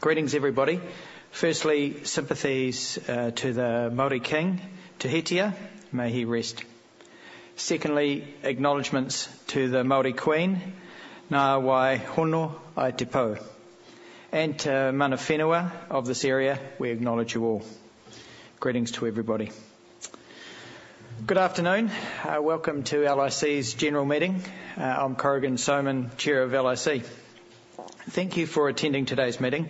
Greetings, everybody. Firstly, sympathies to the Māori King, Kīngi Tūheitia, may he rest. Secondly, acknowledgments to the Māori Queen, Ngā Wai Hono i te Pō, and to Mana Whenua of this area, we acknowledge you all. Greetings to everybody. Good afternoon. Welcome to LIC's general meeting. I'm Corrigan Sowman, chair of LIC. Thank you for attending today's meeting.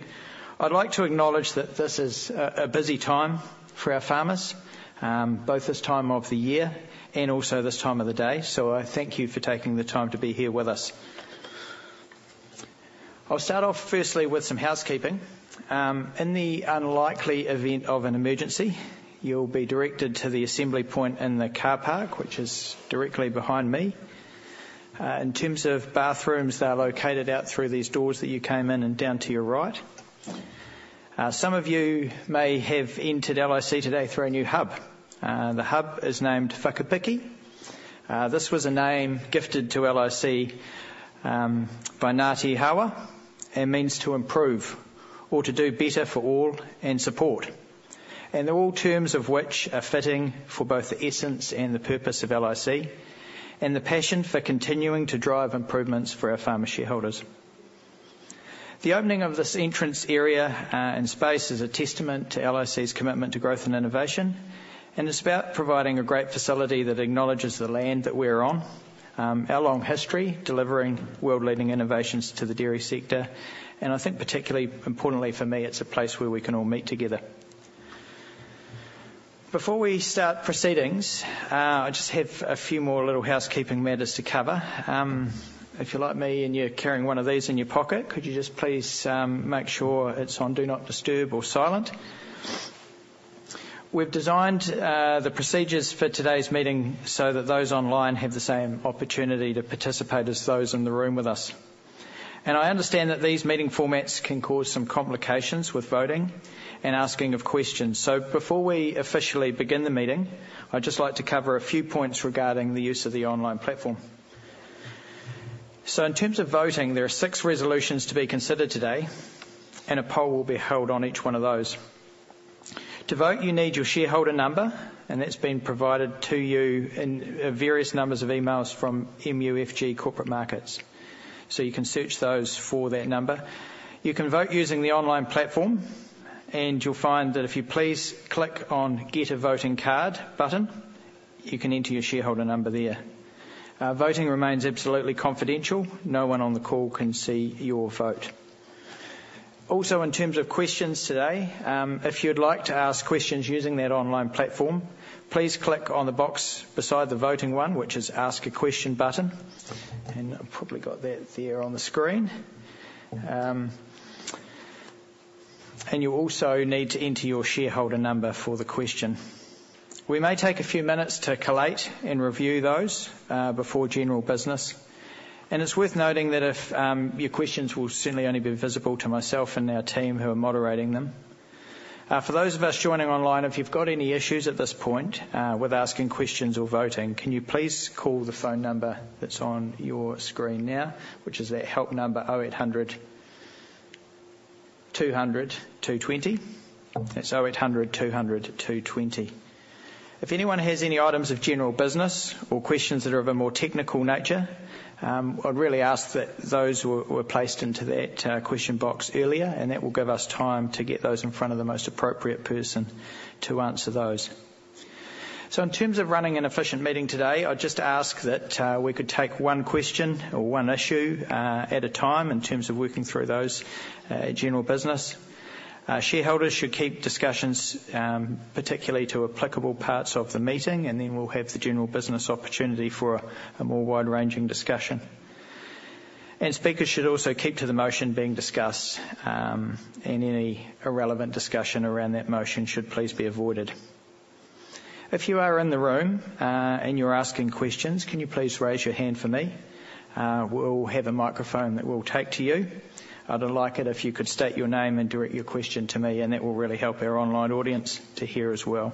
I'd like to acknowledge that this is a busy time for our farmers, both this time of the year and also this time of the day, so I thank you for taking the time to be here with us. I'll start off firstly with some housekeeping. In the unlikely event of an emergency, you'll be directed to the assembly point in the car park, which is directly behind me. In terms of bathrooms, they're located out through these doors that you came in and down to your right. Some of you may have entered LIC today through our new hub. The hub is named Whakapiki. This was a name gifted to LIC by Ngāti Hauā, and means to improve or to do better for all and support. They're all terms of which are fitting for both the essence and the purpose of LIC, and the passion for continuing to drive improvements for our farmer shareholders. The opening of this entrance area and space is a testament to LIC's commitment to growth and innovation, and it's about providing a great facility that acknowledges the land that we're on, our long history, delivering world-leading innovations to the dairy sector, and I think particularly importantly for me, it's a place where we can all meet together. Before we start proceedings, I just have a few more little housekeeping matters to cover. If you're like me, and you're carrying one of these in your pocket, could you just please make sure it's on Do Not Disturb or Silent? We've designed the procedures for today's meeting so that those online have the same opportunity to participate as those in the room with us. And I understand that these meeting formats can cause some complications with voting and asking of questions. So before we officially begin the meeting, I'd just like to cover a few points regarding the use of the online platform. So in terms of voting, there are six resolutions to be considered today, and a poll will be held on each one of those. To vote, you need your shareholder number, and that's been provided to you in various numbers of emails from MUFG Corporate Markets. So you can search those for that number. You can vote using the online platform, and you'll find that if you please click on Get a Voting Card button, you can enter your shareholder number there. Voting remains absolutely confidential. No one on the call can see your vote. Also, in terms of questions today, if you'd like to ask questions using that online platform, please click on the box beside the voting one, which is Ask a Question button, and I've probably got that there on the screen, and you also need to enter your shareholder number for the question. We may take a few minutes to collate and review those, before general business, and it's worth noting that if, your questions will certainly only be visible to myself and our team who are moderating them. For those of us joining online, if you've got any issues at this point, with asking questions or voting, can you please call the phone number that's on your screen now, which is that help number, oh, eight hundred two hundred two twenty. That's oh, eight hundred two hundred two twenty. If anyone has any items of general business or questions that are of a more technical nature, I'd really ask that those were placed into that question box earlier, and that will give us time to get those in front of the most appropriate person to answer those. So in terms of running an efficient meeting today, I'd just ask that we could take one question or one issue at a time in terms of working through those general business. Shareholders should keep discussions particularly to applicable parts of the meeting, and then we'll have the general business opportunity for a more wide-ranging discussion. And speakers should also keep to the motion being discussed, and any irrelevant discussion around that motion should please be avoided. If you are in the room, and you're asking questions, can you please raise your hand for me? We'll have a microphone that we'll take to you. I'd like it if you could state your name and direct your question to me, and that will really help our online audience to hear as well.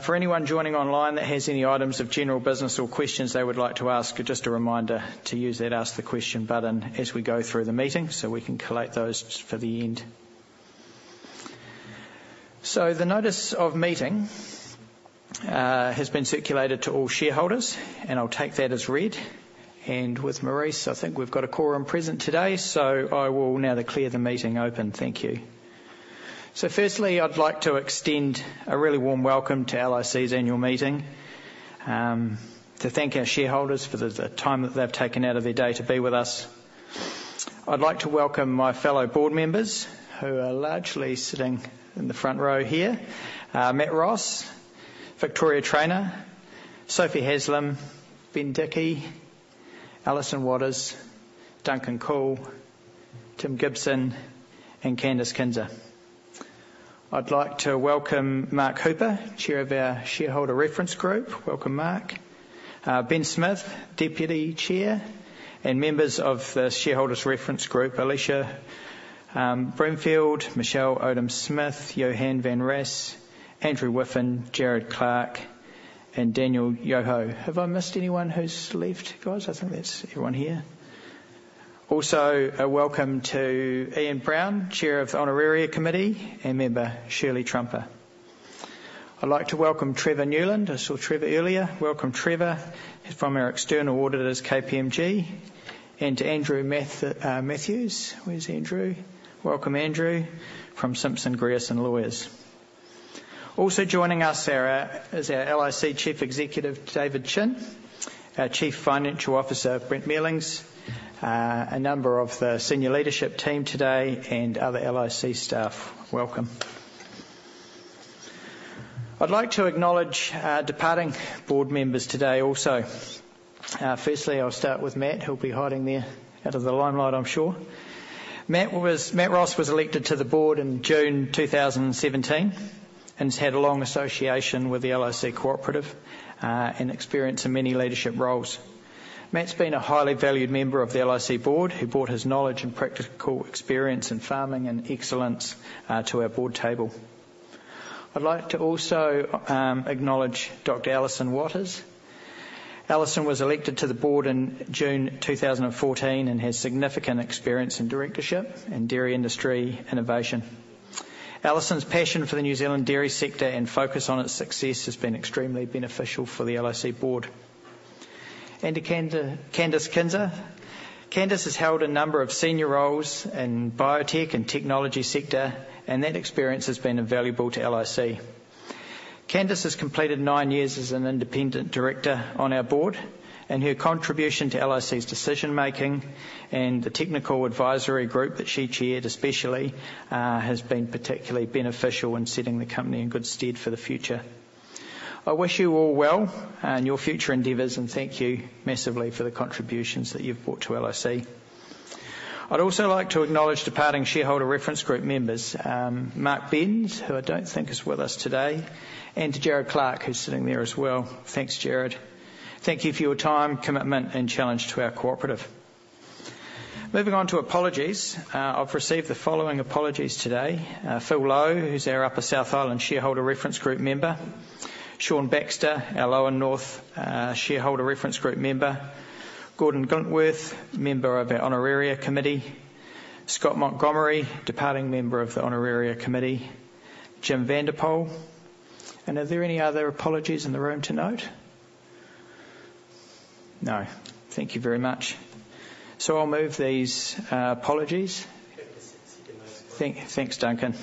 For anyone joining online that has any items of general business or questions they would like to ask, just a reminder to use that Ask the Question button as we go through the meeting, so we can collate those for the end. So the notice of meeting has been circulated to all shareholders, and I'll take that as read. And with Maurice, I think we've got a quorum present today, so I will now declare the meeting open. Thank you. So firstly, I'd like to extend a really warm welcome to LIC's annual meeting, to thank our shareholders for the time that they've taken out of their day to be with us. I'd like to welcome my fellow board members who are largely sitting in the front row here. Matt Ross, Victoria Trayner, Sophie Haslam, Ben Dickie, Alison Watters, Duncan Coull, Tim Gibson, and Candice Kinser. I'd like to welcome Mark Hooper, Chair of our Shareholder Reference Group. Welcome, Mark. Ben Smith, deputy chair, and members of the Shareholder Reference Group, Alicia Brimfield, Michelle O'Donnell Smith, Johan van Ras, Andrew Wiffen, Gerard Clarke, and Daniel Joho. Have I missed anyone who's left, guys? I think that's everyone here. Also, a welcome to Ian Brown, Chair of Honoraria Committee, and member Shirley Trumper. I'd like to welcome Trevor Newland. I saw Trevor earlier. Welcome, Trevor, from our external auditors, KPMG, and Andrew Matthews. Where's Andrew? Welcome, Andrew, from Simpson Grierson Lawyers. Also joining us is our LIC Chief Executive, David Chin, our Chief Financial Officer, Brent Mealings, a number of the senior leadership team today, and other LIC staff. Welcome. I'd like to acknowledge departing board members today also. Firstly, I'll start with Matt, who'll be hiding there out of the limelight, I'm sure. Matt Ross was elected to the board in June 2017, and he's had a long association with the LIC Cooperative, and experience in many leadership roles. Matt's been a highly valued member of the LIC board, who brought his knowledge and practical experience in farming and excellence to our board table. I'd like to also acknowledge Dr. Alison Watters. Alison was elected to the board in June two thousand and fourteen and has significant experience in directorship and dairy industry innovation. Alison's passion for the New Zealand dairy sector and focus on its success has been extremely beneficial for the LIC board. And to Candice Kinser. Candice has held a number of senior roles in biotech and technology sector, and that experience has been invaluable to LIC. Candice has completed nine years as an independent director on our board, and her contribution to LIC's decision-making and the Technical Advisory Group that she chaired especially has been particularly beneficial in setting the company in good stead for the future. I wish you all well in your future endeavors, and thank you massively for the contributions that you've brought to LIC. I'd also like to acknowledge departing Shareholder Reference Group members, Mark Bent, who I don't think is with us today, and to Gerard Clarke, who's sitting there as well. Thanks, Gerard. Thank you for your time, commitment, and challenge to our cooperative. Moving on to apologies. I've received the following apologies today. Phil Lowe, who's our Upper South Island Shareholder Reference Group member, Shaun Baxter, our Lower North Shareholder Reference Group member, Gordon Glentworth, member of our Honoraria Committee, Scott Montgomery, departing member of the Honoraria Committee, Jim van der Poel. And are there any other apologies in the room to note? No. Thank you very much. So I'll move these apologies. Second those, Brent. Thanks, thanks, Duncan.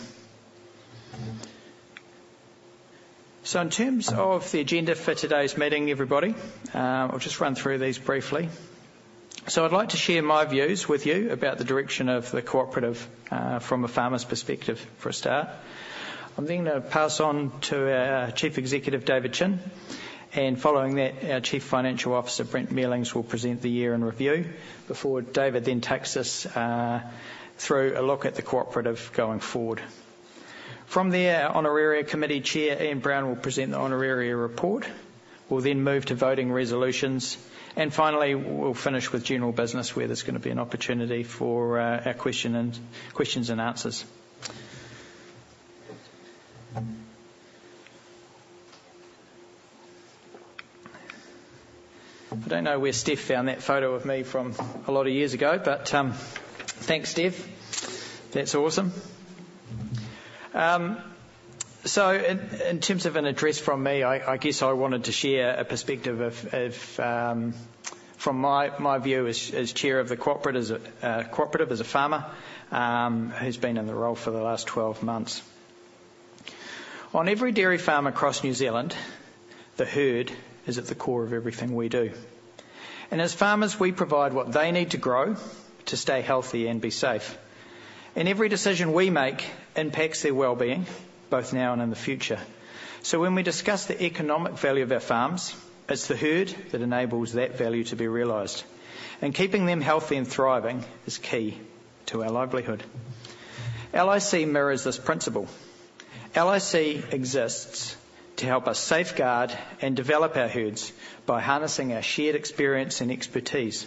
So in terms of the agenda for today's meeting, everybody, I'll just run through these briefly. So I'd like to share my views with you about the direction of the cooperative, from a farmer's perspective, for a start. I'm then going to pass on to our Chief Executive, David Chin, and following that, our Chief Financial Officer, Brent Mealings, will present the year in review before David then takes us through a look at the cooperative going forward. From there, our Honoraria Committee Chair, Ian Brown, will present the Honoraria report. We'll then move to voting resolutions, and finally, we'll finish with general business, where there's going to be an opportunity for our questions and answers. I don't know where Steph found that photo of me from a lot of years ago, but thanks, Steph. That's awesome. So in terms of an address from me, I guess I wanted to share a perspective of from my view as chair of the cooperative, as a cooperative, as a farmer, who's been in the role for the last 12 months. On every dairy farm across New Zealand, the herd is at the core of everything we do, and as farmers, we provide what they need to grow, to stay healthy and be safe, and every decision we make impacts their well-being, both now and in the future, so when we discuss the economic value of our farms, it's the herd that enables that value to be realized, and keeping them healthy and thriving is key to our livelihood. LIC mirrors this principle. LIC exists to help us safeguard and develop our herds by harnessing our shared experience and expertise.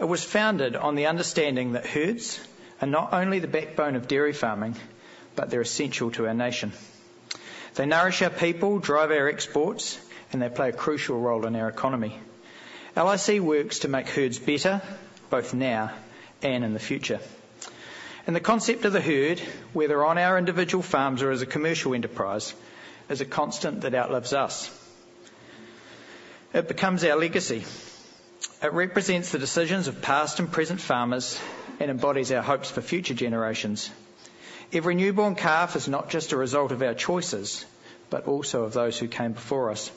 It was founded on the understanding that herds are not only the backbone of dairy farming, but they're essential to our nation. They nourish our people, drive our exports, and they play a crucial role in our economy. LIC works to make herds better, both now and in the future, and the concept of the herd, whether on our individual farms or as a commercial enterprise, is a constant that outlives us. It becomes our legacy. It represents the decisions of past and present farmers and embodies our hopes for future generations. Every newborn calf is not just a result of our choices, but also of those who came before us,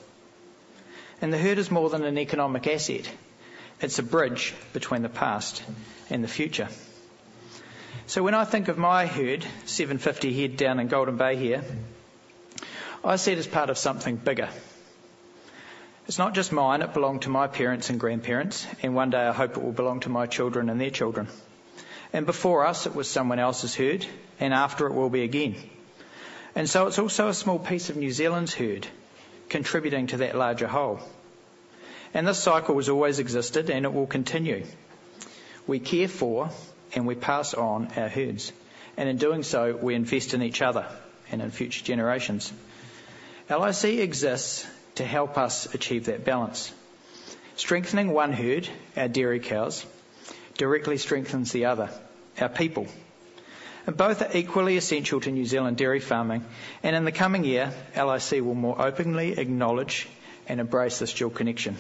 and the herd is more than an economic asset. It's a bridge between the past and the future. When I think of my herd, seven fifty head down in Golden Bay here, I see it as part of something bigger. It's not just mine; it belonged to my parents and grandparents, and one day, I hope it will belong to my children and their children. And before us, it was someone else's herd, and after, it will be again. And so it's also a small piece of New Zealand's herd, contributing to that larger whole. And this cycle has always existed, and it will continue. We care for and we pass on our herds, and in doing so, we invest in each other and in future generations. LIC exists to help us achieve that balance. Strengthening one herd, our dairy cows, directly strengthens the other, our people. And both are equally essential to New Zealand dairy farming, and in the coming year, LIC will more openly acknowledge and embrace this dual connection,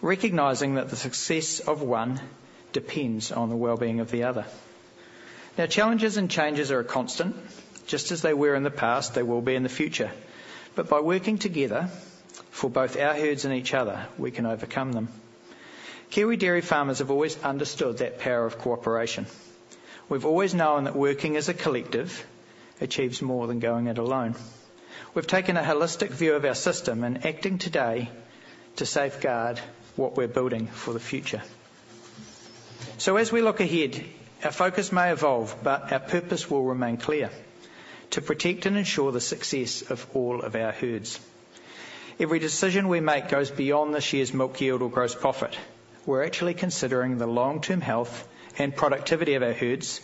recognizing that the success of one depends on the well-being of the other. Now, challenges and changes are a constant. Just as they were in the past, they will be in the future. But by working together for both our herds and each other, we can overcome them. Kiwi dairy farmers have always understood that power of cooperation. We've always known that working as a collective achieves more than going it alone. We've taken a holistic view of our system and acting today to safeguard what we're building for the future. So as we look ahead, our focus may evolve, but our purpose will remain clear: to protect and ensure the success of all of our herds. Every decision we make goes beyond this year's milk yield or gross profit. We're actually considering the long-term health and productivity of our herds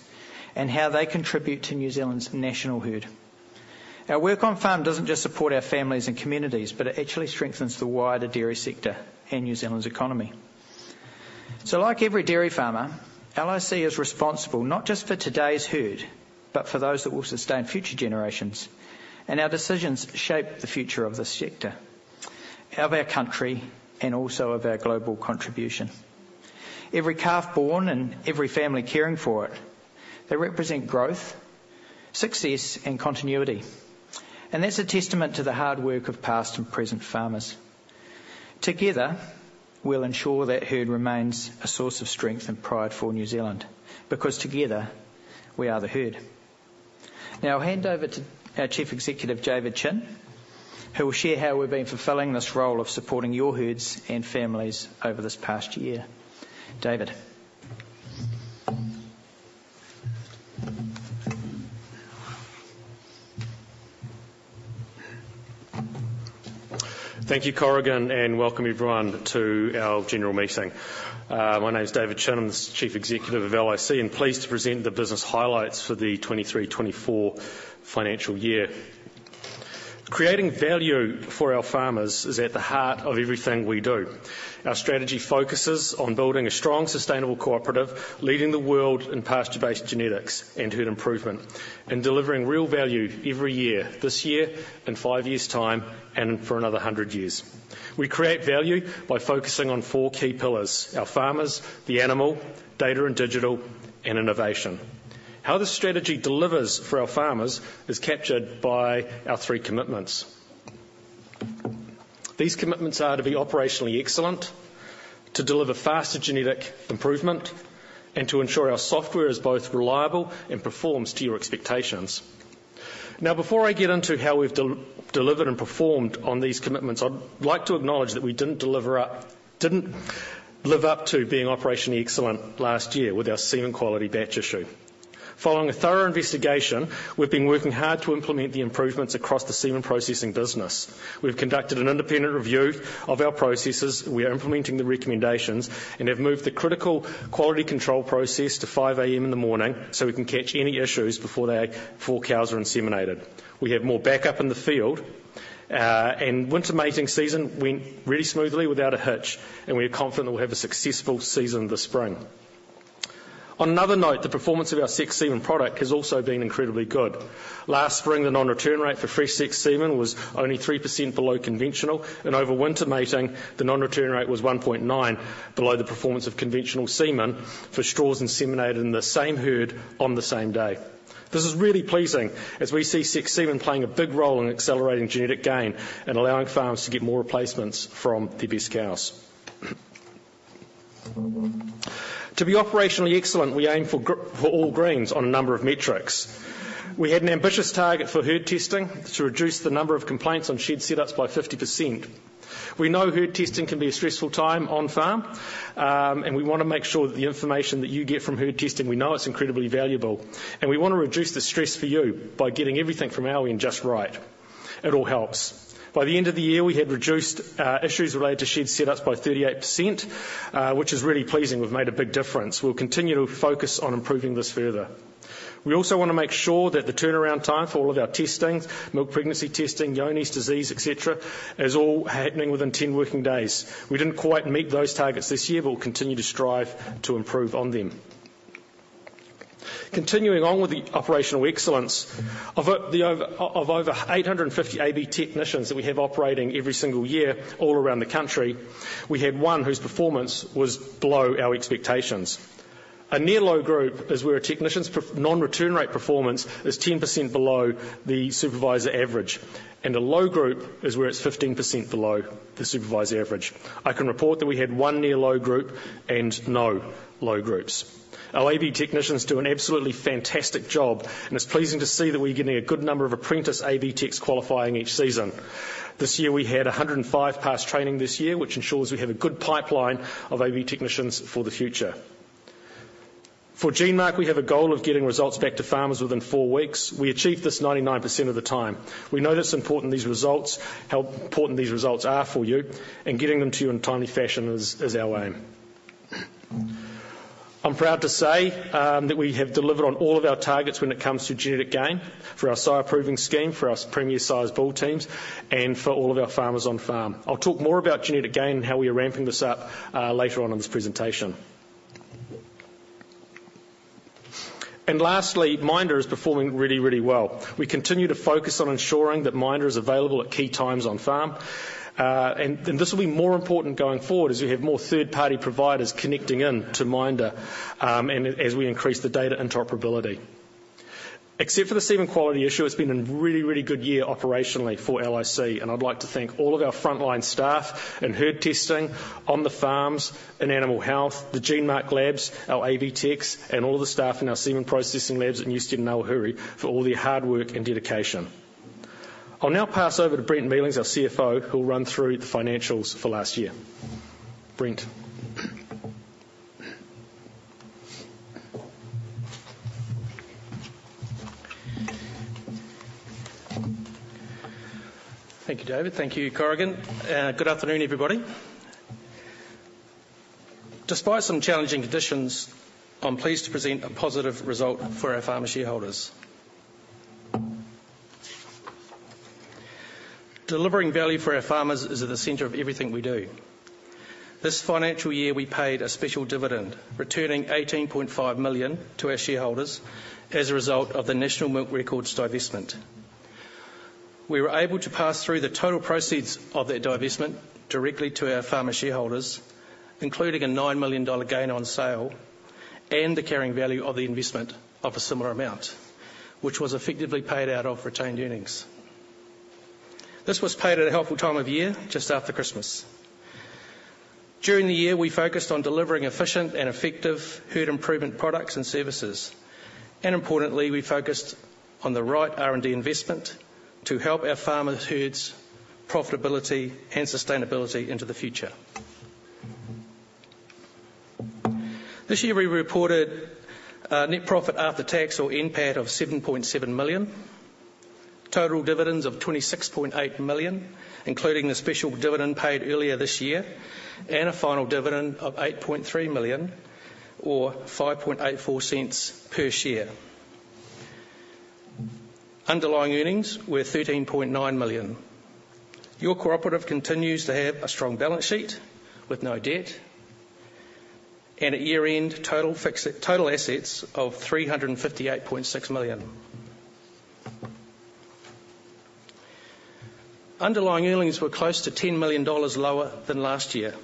and how they contribute to New Zealand's national herd. Our work on farm doesn't just support our families and communities, but it actually strengthens the wider dairy sector and New Zealand's economy. So like every dairy farmer, LIC is responsible not just for today's herd, but for those that will sustain future generations, and our decisions shape the future of this sector, of our country, and also of our global contribution. Every calf born and every family caring for it, they represent growth, success, and continuity, and that's a testament to the hard work of past and present farmers. Together, we'll ensure that herd remains a source of strength and pride for New Zealand, because together, we are the herd. Now, I'll hand over to our Chief Executive, David Chin, who will share how we've been fulfilling this role of supporting your herds and families over this past year. David? Thank you, Corrigan, and welcome everyone to our general meeting. My name is David Chin, I'm the Chief Executive of LIC, and pleased to present the business highlights for the twenty-three, twenty-four financial year. Creating value for our farmers is at the heart of everything we do. Our strategy focuses on building a strong, sustainable cooperative, leading the world in pasture-based genetics and herd improvement, and delivering real value every year, this year, in five years' time, and for another hundred years. We create value by focusing on four key pillars: our farmers, the animal, data and digital, and innovation. How this strategy delivers for our farmers is captured by our three commitments. These commitments are to be operationally excellent, to deliver faster genetic improvement, and to ensure our software is both reliable and performs to your expectations. Now, before I get into how we've delivered and performed on these commitments, I'd like to acknowledge that we didn't live up to being operationally excellent last year with our semen quality batch issue. Following a thorough investigation, we've been working hard to implement the improvements across the semen processing business. We've conducted an independent review of our processes, we are implementing the recommendations, and have moved the critical quality control process to 5:00 A.M. in the morning, so we can catch any issues before cows are inseminated. We have more backup in the field, and winter mating season went really smoothly without a hitch, and we are confident that we'll have a successful season this spring. On another note, the performance of our sexed semen product has also been incredibly good. Last spring, the non-return rate for fresh sexed semen was only 3% below conventional, and over winter mating, the non-return rate was 1.9 below the performance of conventional semen for straws inseminated in the same herd on the same day. This is really pleasing as we see sexed semen playing a big role in accelerating genetic gain and allowing farmers to get more replacements from their best cows. To be operationally excellent, we aim for all greens on a number of metrics. We had an ambitious target for herd testing to reduce the number of complaints on shed set ups by 50%. We know herd testing can be a stressful time on farm, and we wanna make sure that the information that you get from herd testing, we know it's incredibly valuable, and we wanna reduce the stress for you by getting everything from our end just right. It all helps. By the end of the year, we had reduced issues related to shed set ups by 38%, which is really pleasing. We've made a big difference. We'll continue to focus on improving this further. We also wanna make sure that the turnaround time for all of our testing, milk pregnancy testing, Johne's Disease, et cetera, is all happening within 10 working days. We didn't quite meet those targets this year, but we'll continue to strive to improve on them. Continuing on with the operational excellence of the over 850 AB technicians that we have operating every single year all around the country, we had one whose performance was below our expectations. A near low group is where a technician's non-return rate performance is 10% below the supervisor average, and a low group is where it's 15% below the supervisor average. I can report that we had one near low group and no low groups. Our AB technicians do an absolutely fantastic job, and it's pleasing to see that we're getting a good number of apprentice AB techs qualifying each season. This year, we had 105 pass training this year, which ensures we have a good pipeline of AB technicians for the future. For GeneMark, we have a goal of getting results back to farmers within four weeks. We achieve this 99% of the time. We know that's important, these results, how important these results are for you, and getting them to you in a timely fashion is, is our aim. I'm proud to say that we have delivered on all of our targets when it comes to genetic gain for our Sire Proving Scheme, for our Premier Sires bull teams, and for all of our farmers on-farm. I'll talk more about genetic gain and how we are ramping this up later on in this presentation, and lastly, MINDA is performing really, really well. We continue to focus on ensuring that MINDA is available at key times on-farm, and this will be more important going forward as we have more third-party providers connecting in to MINDA and as we increase the data interoperability. Except for the semen quality issue, it's been a really, really good year operationally for LIC, and I'd like to thank all of our frontline staff in herd testing on the farms and animal health, the GeneMark labs, our AB techs, and all the staff in our semen processing labs at Newstead and Awahuri, for all their hard work and dedication. I'll now pass over to Brent Mealings, our CFO, who will run through the financials for last year. Brent? Thank you, David. Thank you, Corrigan. Good afternoon, everybody. Despite some challenging conditions, I'm pleased to present a positive result for our farmer shareholders. Delivering value for our farmers is at the center of everything we do. This financial year, we paid a special dividend, returning 18.5 million to our shareholders as a result of the National Milk Records divestment. We were able to pass through the total proceeds of that divestment directly to our farmer shareholders, including a 9 million dollar gain on sale and the carrying value of the investment of a similar amount, which was effectively paid out of retained earnings. This was paid at a helpful time of year, just after Christmas. During the year, we focused on delivering efficient and effective herd improvement products and services, and importantly, we focused on the right R&D investment to help our farmers' herds' profitability and sustainability into the future. This year, we reported a net profit after tax, or NPAT, of 7.7 million, total dividends of 26.8 million, including the special dividend paid earlier this year, and a final dividend of 8.3 million or 0.0584 per share. Underlying earnings were 13.9 million. Your cooperative continues to have a strong balance sheet with no debt and a year-end total assets of 358.6 million. Underlying earnings were close to 10 million dollars lower than last year,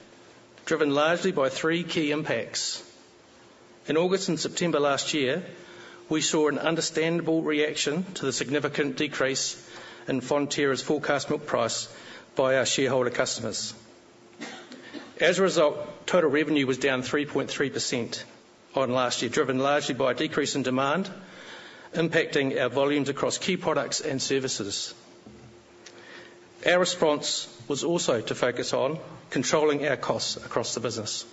driven largely by three key impacts. In August and September last year, we saw an understandable reaction to the significant decrease in Fonterra's forecast milk price by our shareholder customers. As a result, total revenue was down 3.3% on last year, driven largely by a decrease in demand, impacting our volumes across key products and services. Our response was also to focus on controlling our costs across the business.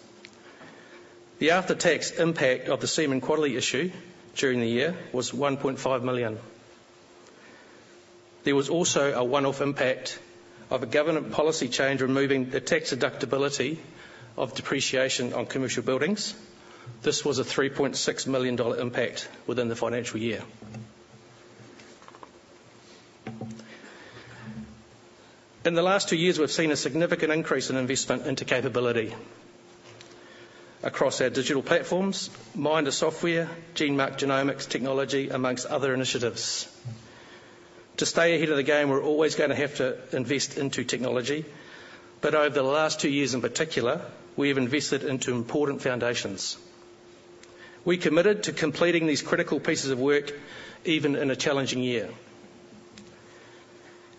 The after-tax impact of the semen quality issue during the year was 1.5 million. There was also a one-off impact of a government policy change, removing the tax deductibility of depreciation on commercial buildings. This was a 3.6 million dollar impact within the financial year. In the last two years, we've seen a significant increase in investment into capability across our digital platforms, MINDA software, GeneMark genomics technology, among other initiatives. To stay ahead of the game, we're always gonna have to invest into technology, but over the last two years, in particular, we have invested into important foundations. We committed to completing these critical pieces of work, even in a challenging year,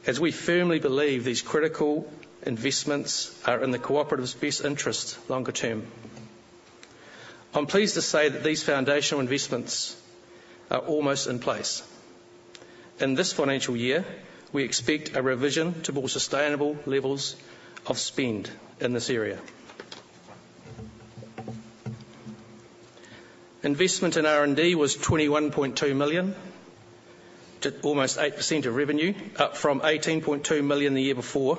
as we firmly believe these critical investments are in the cooperative's best interest longer term. I'm pleased to say that these foundational investments are almost in place. In this financial year, we expect a revision to more sustainable levels of spend in this area. Investment in R&D was 21.2 million, to almost 8% of revenue, up from 18.2 million the year before,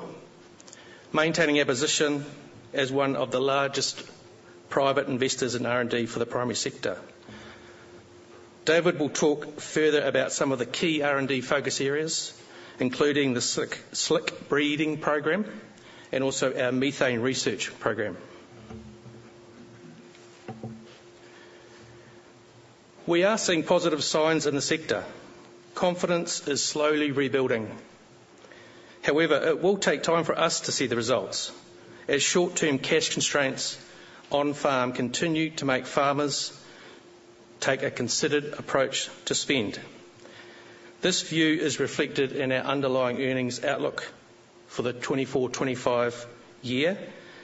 maintaining our position as one of the largest private investors in R&D for the primary sector. David will talk further about some of the key R&D focus areas, including the Slick breeding program and also our methane research program. We are seeing positive signs in the sector. Confidence is slowly rebuilding. However, it will take time for us to see the results, as short-term cash constraints on-farm continue to make farmers take a considered approach to spend. This view is reflected in our underlying earnings outlook for the 2024/2025 year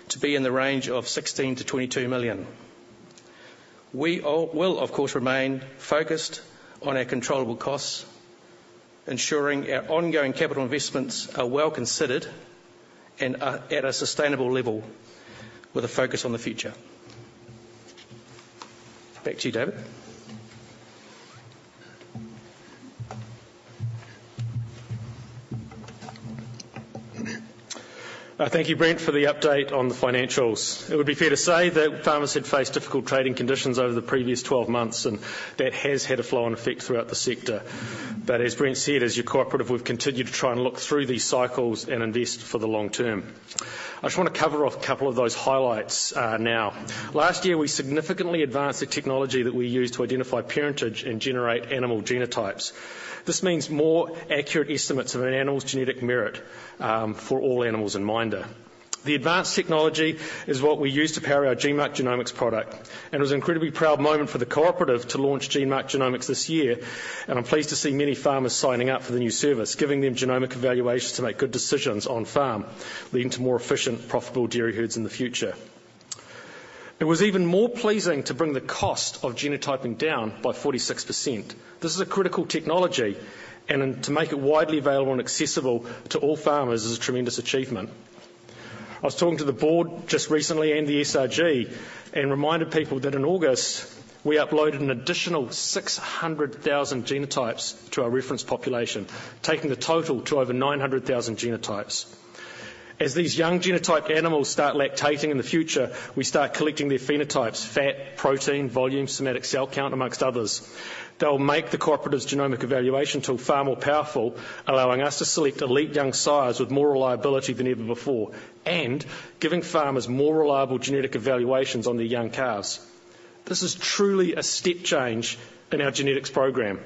to be in the range of 16-22 million. We all will, of course, remain focused on our controllable costs, ensuring our ongoing capital investments are well considered and are at a sustainable level with a focus on the future. Back to you, David. Thank you, Brent, for the update on the financials. It would be fair to say that farmers had faced difficult trading conditions over the previous twelve months, and that has had a flow-on effect throughout the sector. But as Brent said, as your cooperative, we've continued to try and look through these cycles and invest for the long term. I just want to cover off a couple of those highlights, now. Last year, we significantly advanced the technology that we use to identify parentage and generate animal genotypes. This means more accurate estimates of an animal's genetic merit, for all animals in MINDA. The advanced technology is what we use to power our GeneMark Genomics product, and it was an incredibly proud moment for the cooperative to launch GeneMark Genomics this year, and I'm pleased to see many farmers signing up for the new service, giving them genomic evaluations to make good decisions on-farm, leading to more efficient, profitable dairy herds in the future. It was even more pleasing to bring the cost of genotyping down by 46%. This is a critical technology, and then to make it widely available and accessible to all farmers is a tremendous achievement. I was talking to the board just recently and the SRG, and reminded people that in August, we uploaded an additional 600,000 genotypes to our reference population, taking the total to over 900,000 genotypes. As these young genotyped animals start lactating in the future, we start collecting their phenotypes, fat, protein, volume, somatic cell count, among others. They'll make the cooperative's genomic evaluation tool far more powerful, allowing us to select elite young sires with more reliability than ever before, and giving farmers more reliable genetic evaluations on their young cows. This is truly a step change in our genetics program,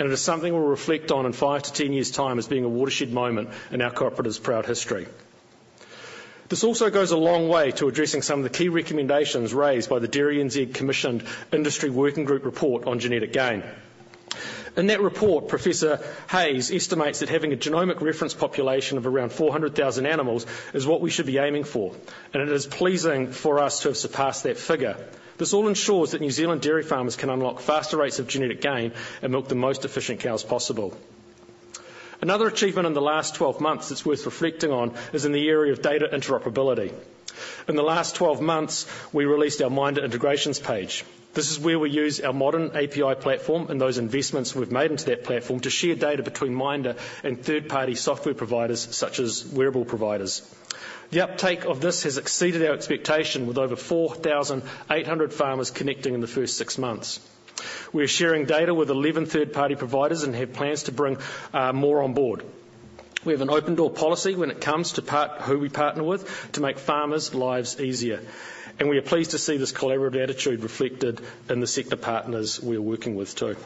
and it is something we'll reflect on in five to 10 years' time as being a watershed moment in our cooperative's proud history. This also goes a long way to addressing some of the key recommendations raised by the DairyNZ-commissioned industry working group report on genetic gain. In that report, Professor Hayes estimates that having a genomic reference population of around 400,000 animals is what we should be aiming for, and it is pleasing for us to have surpassed that figure. This all ensures that New Zealand dairy farmers can unlock faster rates of genetic gain and milk the most efficient cows possible. Another achievement in the last 12 months that's worth reflecting on is in the area of data interoperability. In the last 12 months, we released our MINDA Integrations page. This is where we use our modern API platform and those investments we've made into that platform to share data between MINDA and third-party software providers, such as wearable providers. The uptake of this has exceeded our expectation, with over 4,800 farmers connecting in the first 6 months. We're sharing data with eleven third-party providers and have plans to bring more on board. We have an open door policy when it comes to who we partner with to make farmers' lives easier, and we are pleased to see this collaborative attitude reflected in the sector partners we're working with, too.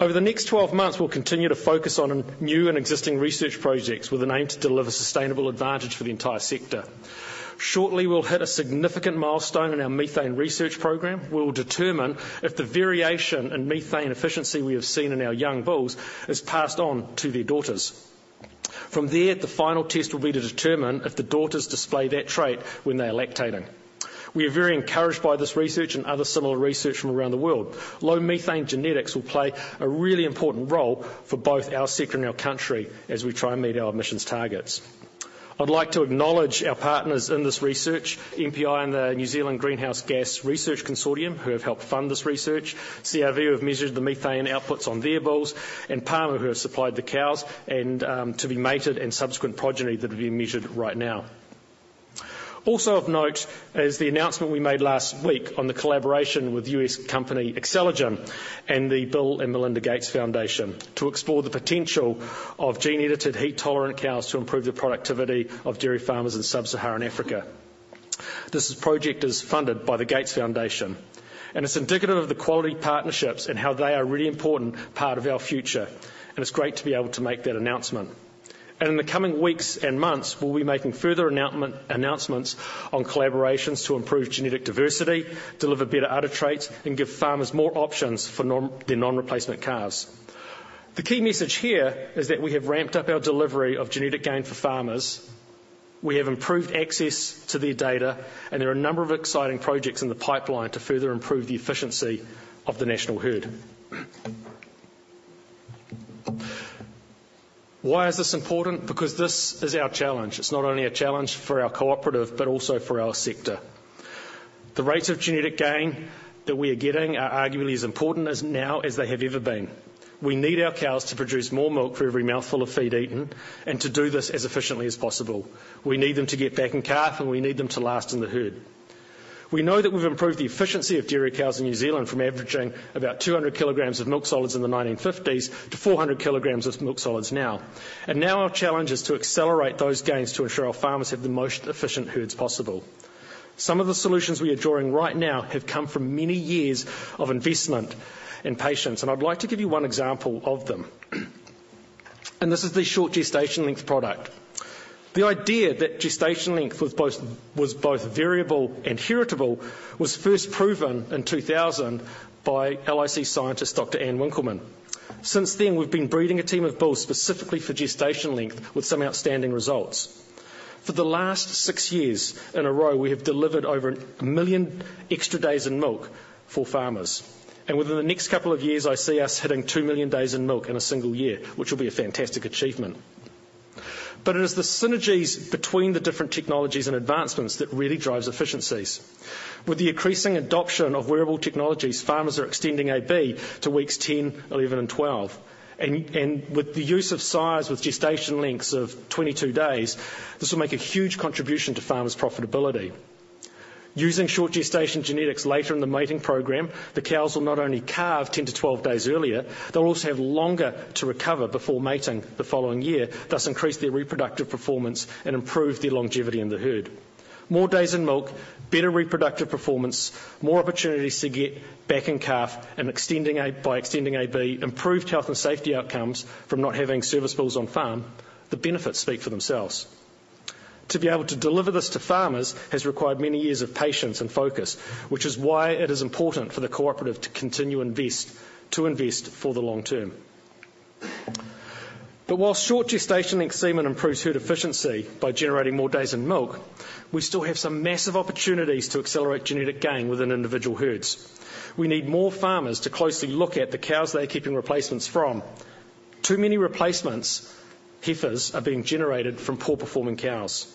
Over the next twelve months, we'll continue to focus on new and existing research projects with an aim to deliver sustainable advantage for the entire sector. Shortly, we'll hit a significant milestone in our methane research program. We'll determine if the variation in methane efficiency we have seen in our young bulls is passed on to their daughters. From there, the final test will be to determine if the daughters display that trait when they are lactating. We are very encouraged by this research and other similar research from around the world. Low methane genetics will play a really important role for both our sector and our country as we try and meet our emissions targets. I'd like to acknowledge our partners in this research, MPI and the New Zealand Greenhouse Gas Research Consortium, who have helped fund this research. CRV have measured the methane outputs on their bulls, and Pāmu, who have supplied the cows and to be mated, and subsequent progeny that are being measured right now. Also of note is the announcement we made last week on the collaboration with US company, Acceligen, and the Bill and Melinda Gates Foundation to explore the potential of gene-edited heat-tolerant cows to improve the productivity of dairy farmers in sub-Saharan Africa. This project is funded by the Gates Foundation, and it's indicative of the quality partnerships and how they are a really important part of our future, and it's great to be able to make that announcement. In the coming weeks and months, we'll be making further announcements on collaborations to improve genetic diversity, deliver better udder traits, and give farmers more options for non-replacement cows. The key message here is that we have ramped up our delivery of genetic gain for farmers, we have improved access to their data, and there are a number of exciting projects in the pipeline to further improve the efficiency of the national herd. Why is this important? Because this is our challenge. It's not only a challenge for our cooperative, but also for our sector. The rates of genetic gain that we are getting are arguably as important now as they have ever been. We need our cows to produce more milk for every mouthful of feed eaten, and to do this as efficiently as possible. We need them to get back and calf, and we need them to last in the herd. We know that we've improved the efficiency of dairy cows in New Zealand from averaging about 200 kilograms of milksolids in the 1950s to 400 kilograms of milksolids now. And now our challenge is to accelerate those gains to ensure our farmers have the most efficient herds possible. Some of the solutions we are drawing right now have come from many years of investment and patience, and I'd like to give you one example of them. And this is the Short Gestation Length product. The idea that gestation length was both variable and heritable was first proven in 2000 by LIC scientist, Dr. Ann Winkelman. Since then, we've been breeding a team of bulls specifically for gestation length, with some outstanding results. For the last six years in a row, we have delivered over a million extra days in milk for farmers. And within the next couple of years, I see us hitting two million days in milk in a single year, which will be a fantastic achievement. But it is the synergies between the different technologies and advancements that really drives efficiencies. With the increasing adoption of wearable technologies, farmers are extending AB to weeks ten, eleven, and twelve. And with the use of sires with gestation lengths of twenty-two days, this will make a huge contribution to farmers' profitability. Using short gestation genetics later in the mating program, the cows will not only calve 10 to 12 days earlier, they'll also have longer to recover before mating the following year, thus increase their reproductive performance and improve their longevity in the herd. More days in milk, better reproductive performance, more opportunities to get back and calve, and by extending AB, improved health and safety outcomes from not having service bulls on farm. The benefits speak for themselves. To be able to deliver this to farmers has required many years of patience and focus, which is why it is important for the cooperative to continue to invest for the long term. But while short gestation length semen improves herd efficiency by generating more days in milk, we still have some massive opportunities to accelerate genetic gain within individual herds. We need more farmers to closely look at the cows they are keeping replacements from. Too many replacements, heifers, are being generated from poor-performing cows.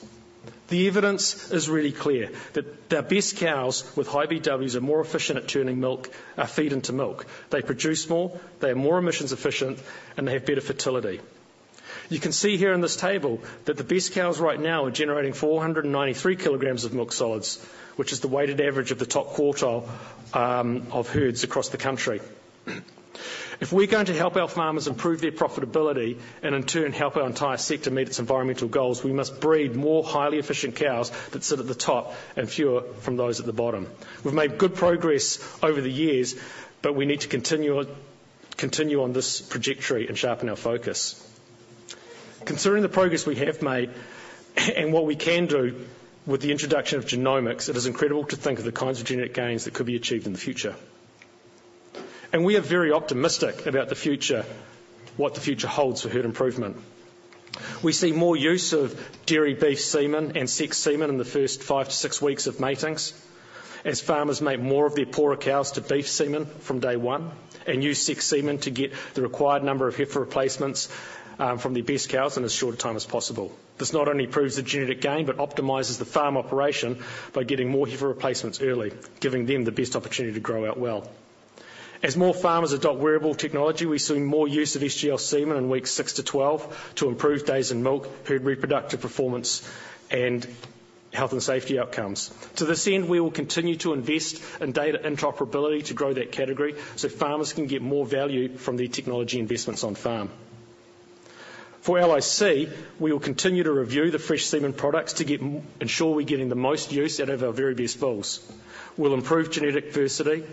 The evidence is really clear that the best cows with high BWs are more efficient at turning milk, feed into milk. They produce more, they are more emissions efficient, and they have better fertility. You can see here in this table that the best cows right now are generating four hundred and ninety-three kilograms of milksolids, which is the weighted average of the top quartile of herds across the country. If we're going to help our farmers improve their profitability, and in turn, help our entire sector meet its environmental goals, we must breed more highly efficient cows that sit at the top and fewer from those at the bottom. We've made good progress over the years, but we need to continue on this trajectory and sharpen our focus. Concerning the progress we have made and what we can do with the introduction of genomics, it is incredible to think of the kinds of genetic gains that could be achieved in the future. We are very optimistic about the future, what the future holds for herd improvement. We see more use of dairy beef semen and sexed semen in the first five-to-six weeks of matings, as farmers mate more of their poorer cows to beef semen from day one, and use sexed semen to get the required number of heifer replacements from their best cows in as short a time as possible. This not only improves the genetic gain, but optimizes the farm operation by getting more heifer replacements early, giving them the best opportunity to grow out well. As more farmers adopt wearable technology, we're seeing more use of SGL semen in weeks six to twelve to improve days in milk, herd reproductive performance, and health and safety outcomes. To this end, we will continue to invest in data interoperability to grow that category so farmers can get more value from their technology investments on farm. For LIC, we will continue to review the fresh semen products to ensure we're getting the most use out of our very best bulls. We'll improve genetic diversity,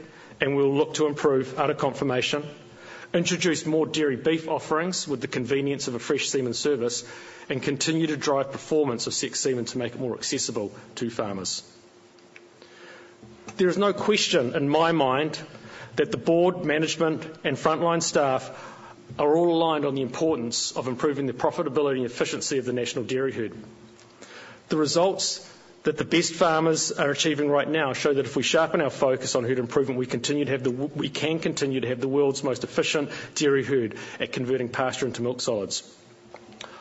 and we'll look to improve udder conformation, introduce more dairy beef offerings with the convenience of a fresh semen service, and continue to drive performance of sexed semen to make it more accessible to farmers. There is no question in my mind that the board, management, and frontline staff are all aligned on the importance of improving the profitability and efficiency of the national dairy herd. The results that the best farmers are achieving right now show that if we sharpen our focus on herd improvement, we can continue to have the world's most efficient dairy herd at converting pasture into milksolids.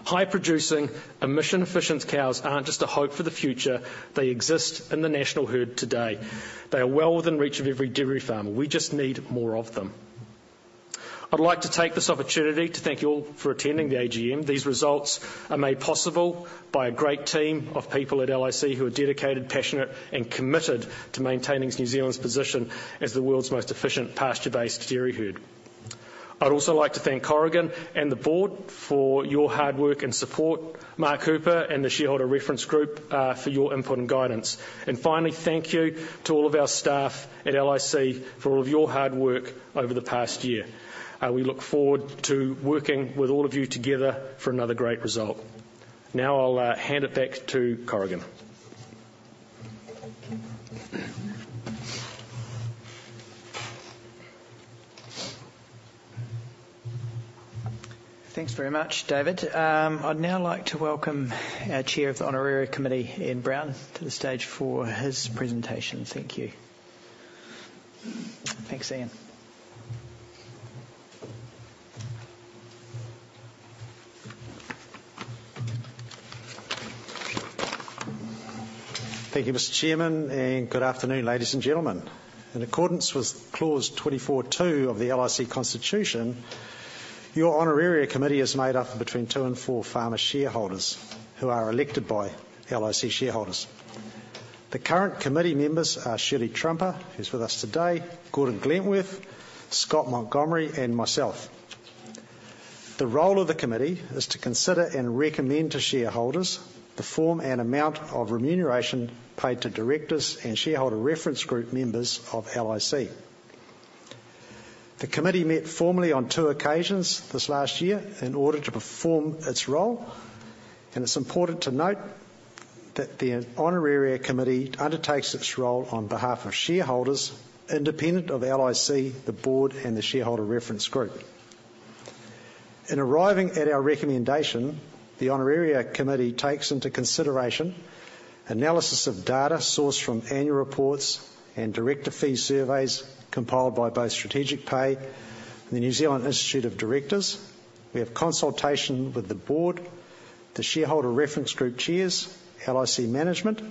High-producing, emission-efficient cows aren't just a hope for the future, they exist in the national herd today. They are well within reach of every dairy farmer. We just need more of them. I'd like to take this opportunity to thank you all for attending the AGM. These results are made possible by a great team of people at LIC who are dedicated, passionate, and committed to maintaining New Zealand's position as the world's most efficient pasture-based dairy herd. I'd also like to thank Corrigan and the board for your hard work and support, Mark Hooper and the Shareholder Reference Group for your input and guidance. And finally, thank you to all of our staff at LIC for all of your hard work over the past year. We look forward to working with all of you together for another great result. Now, I'll hand it back to Corrigan. Thanks very much, David. I'd now like to welcome our Chair of the Honoraria Committee, Ian Brown, to the stage for his presentation. Thank you. Thanks, Ian. Thank you, Mr. Chairman, and good afternoon, ladies and gentlemen. In accordance with Clause 24.2 of the LIC Constitution, your Honoraria Committee is made up of between two and four farmer shareholders who are elected by LIC shareholders. The current committee members are Shirley Trumper, who's with us today, Gordon Glentworth, Scott Montgomery, and myself. The role of the committee is to consider and recommend to shareholders the form and amount of remuneration paid to directors and Shareholder Reference Group members of LIC. The committee met formally on two occasions this last year in order to perform its role, and it's important to note that the Honoraria Committee undertakes its role on behalf of shareholders, independent of LIC, the Board, and the Shareholder Reference Group. In arriving at our recommendation, the Honoraria Committee takes into consideration analysis of data sourced from annual reports and director fee surveys compiled by both Strategic Pay and the New Zealand Institute of Directors. We have consultation with the board, the Shareholder Reference group chairs, LIC management,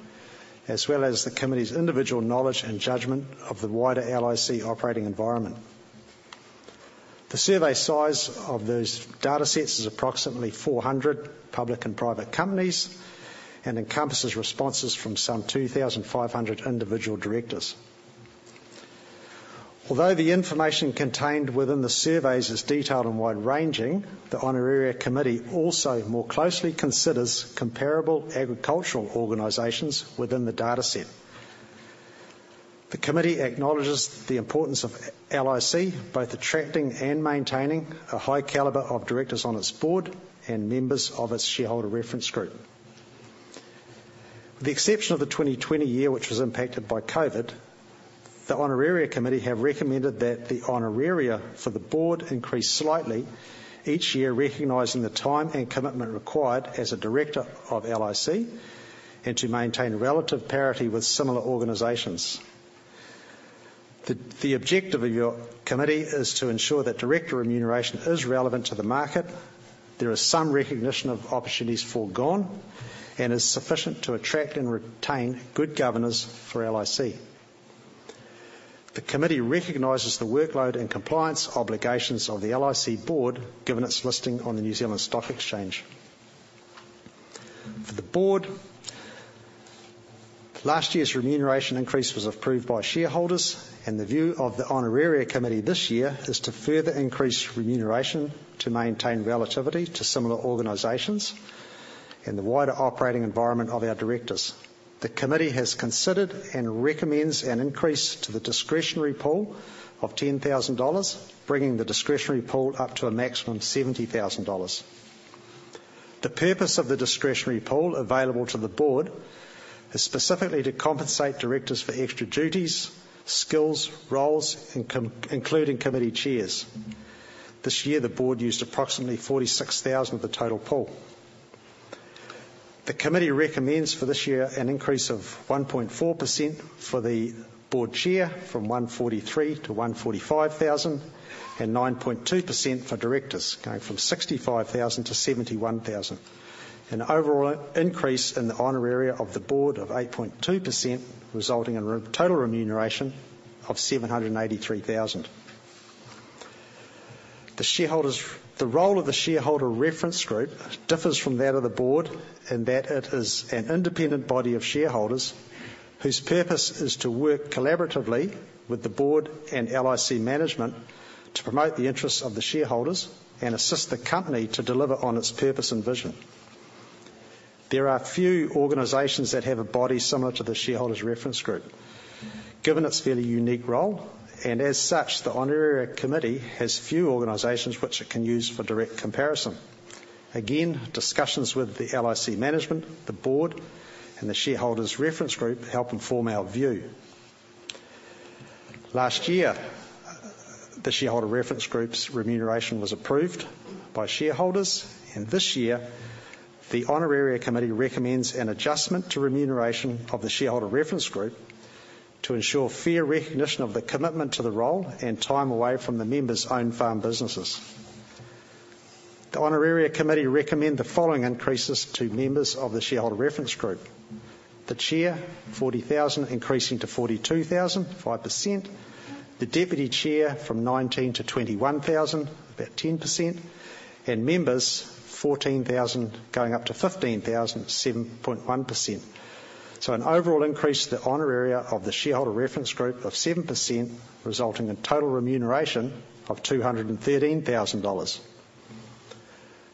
as well as the committee's individual knowledge and judgment of the wider LIC operating environment. The survey size of those data sets is approximately four hundred public and private companies, and encompasses responses from some two thousand five hundred individual directors. Although the information contained within the surveys is detailed and wide-ranging, the Honoraria Committee also more closely considers comparable agricultural organizations within the data set. The committee acknowledges the importance of LIC, both attracting and maintaining a high caliber of directors on its board and members of its Shareholder Reference group. With the exception of the 2020 year, which was impacted by COVID, the Honoraria Committee have recommended that the honoraria for the board increase slightly each year, recognizing the time and commitment required as a director of LIC, and to maintain relative parity with similar organizations. The objective of your committee is to ensure that director remuneration is relevant to the market, there is some recognition of opportunities forgone, and is sufficient to attract and retain good governors for LIC. The committee recognizes the workload and compliance obligations of the LIC board, given its listing on the New Zealand Stock Exchange. For the board, last year's remuneration increase was approved by shareholders, and the view of the Honoraria Committee this year is to further increase remuneration to maintain relativity to similar organizations and the wider operating environment of our directors. The committee has considered and recommends an increase to the discretionary pool of 10,000 dollars, bringing the discretionary pool up to a maximum of 70,000 dollars. The purpose of the discretionary pool available to the board is specifically to compensate directors for extra duties, skills, roles, including committee chairs. This year, the board used approximately 46,000 of the total pool. The committee recommends for this year an increase of 1.4% for the board chair, from 143,000 to 145,000, and 9.2% for directors, going from 65,000 to 71,000. An overall increase in the honoraria of the board of 8.2%, resulting in total remuneration of 783,000. The role of the Shareholder Reference Group differs from that of the board, in that it is an independent body of shareholders whose purpose is to work collaboratively with the board and LIC management to promote the interests of the shareholders and assist the company to deliver on its purpose and vision. There are few organizations that have a body similar to the Shareholder Reference Group, given its fairly unique role, and as such, the Honoraria Committee has few organizations which it can use for direct comparison. Again, discussions with the LIC management, the board, and the Shareholder Reference Group help inform our view. Last year, the Shareholder Reference Group's remuneration was approved by shareholders, and this year, the Honoraria Committee recommends an adjustment to remuneration of the Shareholder Reference Group to ensure fair recognition of the commitment to the role and time away from the members' own farm businesses. The Honoraria Committee recommends the following increases to members of the Shareholder Reference Group: the chair, 40,000 increasing to 42,000, 5%. The deputy chair, from 19,000 to 21,000, about 10%, and members, 14,000 going up to 15,000, 7.1%. So an overall increase to the honoraria of the Shareholder Reference Group of 7%, resulting in total remuneration of 213,000 dollars.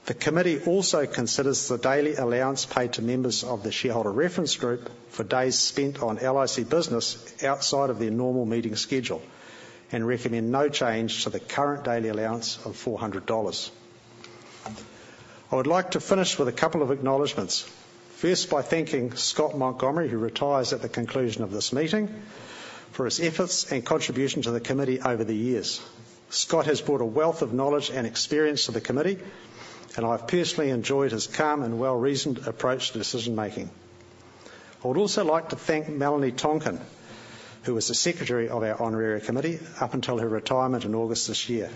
The committee also considers the daily allowance paid to members of the Shareholder Reference group for days spent on LIC business outside of their normal meeting schedule, and recommend no change to the current daily allowance of 400 dollars. I would like to finish with a couple of acknowledgments. First, by thanking Scott Montgomery, who retires at the conclusion of this meeting, for his efforts and contribution to the committee over the years. Scott has brought a wealth of knowledge and experience to the committee, and I've personally enjoyed his calm and well-reasoned approach to decision-making. I would also like to thank Melanie Tonkin, who was the secretary of our Honoraria Committee up until her retirement in August this year.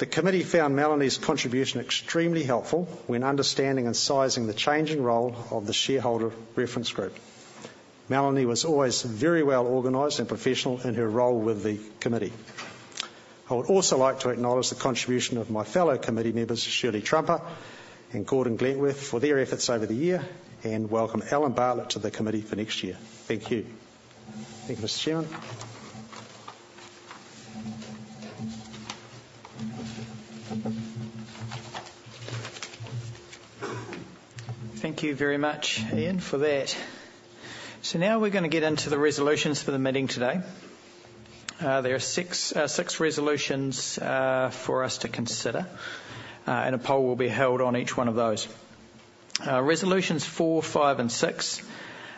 The committee found Melanie's contribution extremely helpful when understanding and sizing the changing role of the Shareholder Reference group. Melanie was always very well organized and professional in her role with the committee. I would also like to acknowledge the contribution of my fellow committee members, Shirley Trumper and Gordon Glentworth, for their efforts over the year, and welcome Alan Bartlett to the committee for next year. Thank you. Thank you, Mr. Chairman. Thank you very much, Ian, for that. So now we're gonna get into the resolutions for the meeting today. There are six resolutions for us to consider, and a poll will be held on each one of those. Resolutions four, five, and six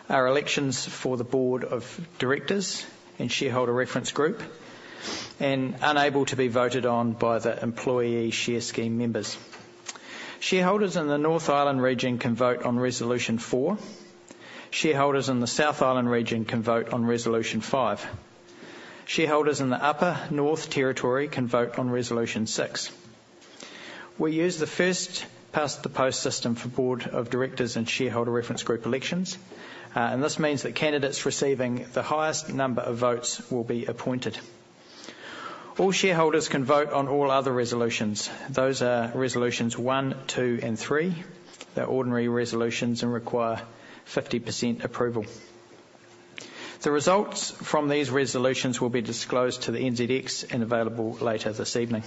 are elections for the board of directors and Shareholder Reference Group, and unable to be voted on by the employee share scheme members. Shareholders in the North Island region can vote on resolution four. Shareholders in the South Island region can vote on resolution five. Shareholders in the Upper North region can vote on resolution six. We use the first-past-the-post system for board of directors and Shareholder Reference Group elections, and this means that candidates receiving the highest number of votes will be appointed. All shareholders can vote on all other resolutions. Those are resolutions one, two, and three. They're ordinary resolutions and require 50% approval. The results from these resolutions will be disclosed to the NZX and available later this evening.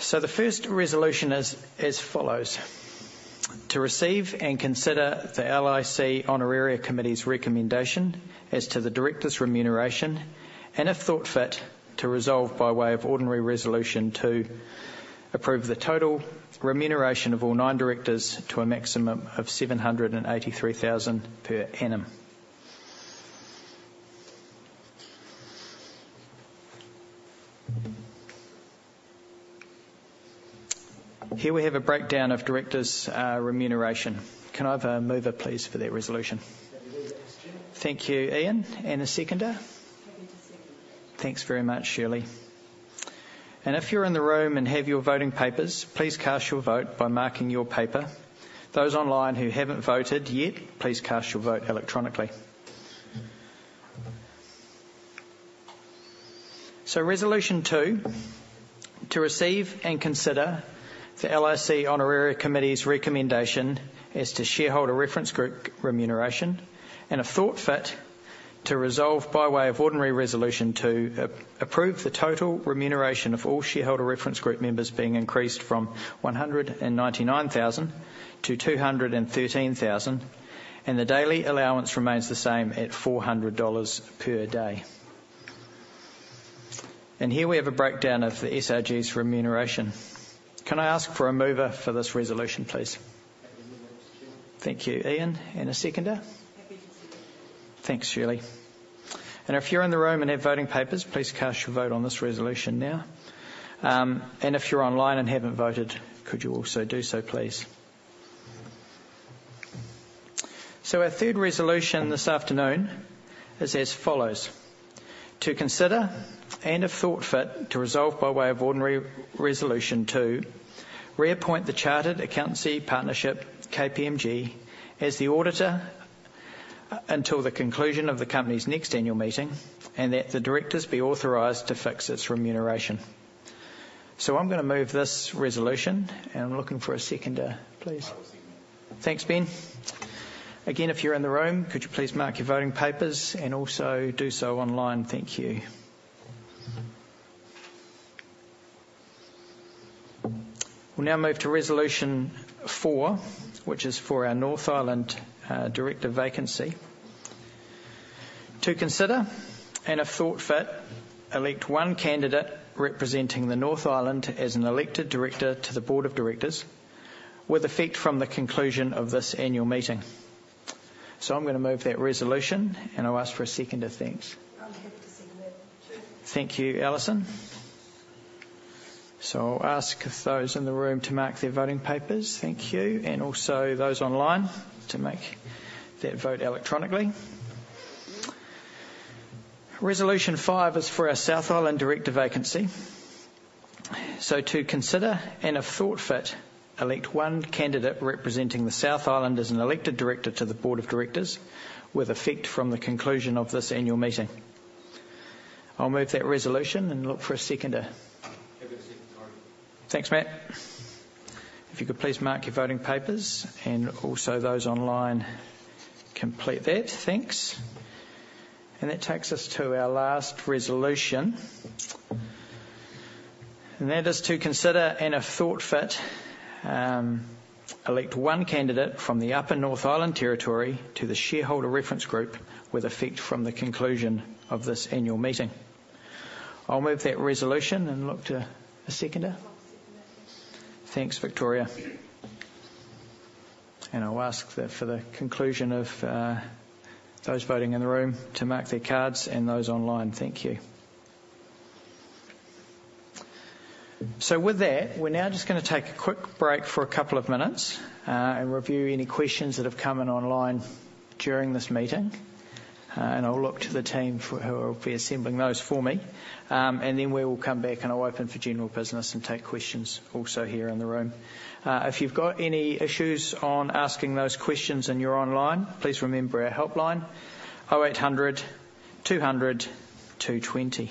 So the first resolution is as follows: to receive and consider the LIC Honoraria Committee's recommendation as to the directors' remuneration, and if thought fit, to resolve by way of ordinary resolution to approve the total remuneration of all nine directors to a maximum of seven hundred and eighty-three thousand per annum. Here we have a breakdown of directors' remuneration. Can I have a mover, please, for that resolution? Happy to move it, Chair. Thank you, Ian, and a seconder? Happy to second. Thanks very much, Shirley. If you're in the room and have your voting papers, please cast your vote by marking your paper. Those online who haven't voted yet, please cast your vote electronically. Resolution two, to receive and consider the LIC Honoraria Committee's recommendation as to Shareholder Reference group remuneration, and if thought fit, to resolve by way of ordinary resolution to approve the total remuneration of all Shareholder Reference group members being increased from 199,000 to 213,000, and the daily allowance remains the same at 400 dollars per day. Here we have a breakdown of the SRG's remuneration. Can I ask for a mover for this resolution, please? Happy to move it, Chair. Thank you, Ian. And a seconder? Happy to second. Thanks, Shirley. And if you're in the room and have voting papers, please cast your vote on this resolution now. And if you're online and haven't voted, could you also do so, please? So our third resolution this afternoon is as follows: To consider, and if thought fit, to resolve by way of ordinary resolution to reappoint the Chartered Accountancy Partnership, KPMG, as the auditor until the conclusion of the company's next annual meeting, and that the directors be authorized to fix its remuneration. So I'm gonna move this resolution, and I'm looking for a seconder, please. I will second. Thanks, Ben. Again, if you're in the room, could you please mark your voting papers and also do so online. Thank you. We'll now move to resolution four, which is for our North Island director vacancy. To consider, and if thought fit, elect one candidate representing the North Island as an elected director to the board of directors, with effect from the conclusion of this annual meeting. So I'm gonna move that resolution, and I'll ask for a seconder. Thanks. I'm happy to second that. Thank you, Alison. So I'll ask those in the room to mark their voting papers. Thank you. And also those online to make that vote electronically. Resolution five is for our South Island director vacancy. So to consider, and if thought fit, elect one candidate representing the South Island as an elected director to the board of directors, with effect from the conclusion of this annual meeting. I'll move that resolution and look for a seconder. Happy to second, sorry. Thanks, Matt. If you could please mark your voting papers, and also those online, complete that. Thanks. And that takes us to our last resolution. And that is to consider, and if thought fit, elect one candidate from the Upper North Island Territory to the Shareholder Reference group, with effect from the conclusion of this annual meeting. I'll move that resolution and look to a seconder. I'll second that. Thanks, Victoria. And I'll ask for the conclusion of those voting in the room to mark their cards and those online. Thank you. So with that, we're now just gonna take a quick break for a couple of minutes, and review any questions that have come in online during this meeting. And I'll look to the team who will be assembling those for me. And then we will come back, and I'll open for general business and take questions also here in the room. If you've got any issues on asking those questions and you're online, please remember our helpline, 0800 200 220.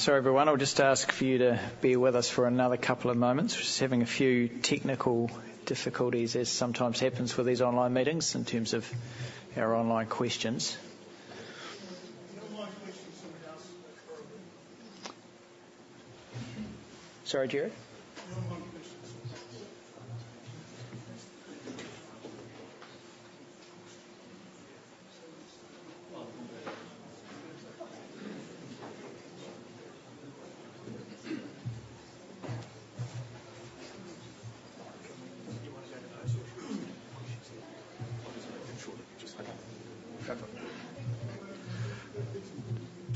Sorry, everyone, I would just ask for you to bear with us for another couple of moments. We're just having a few technical difficulties, as sometimes happens with these online meetings, in terms of our online questions. The online questions, someone else. Sorry, Gerard? The online questions.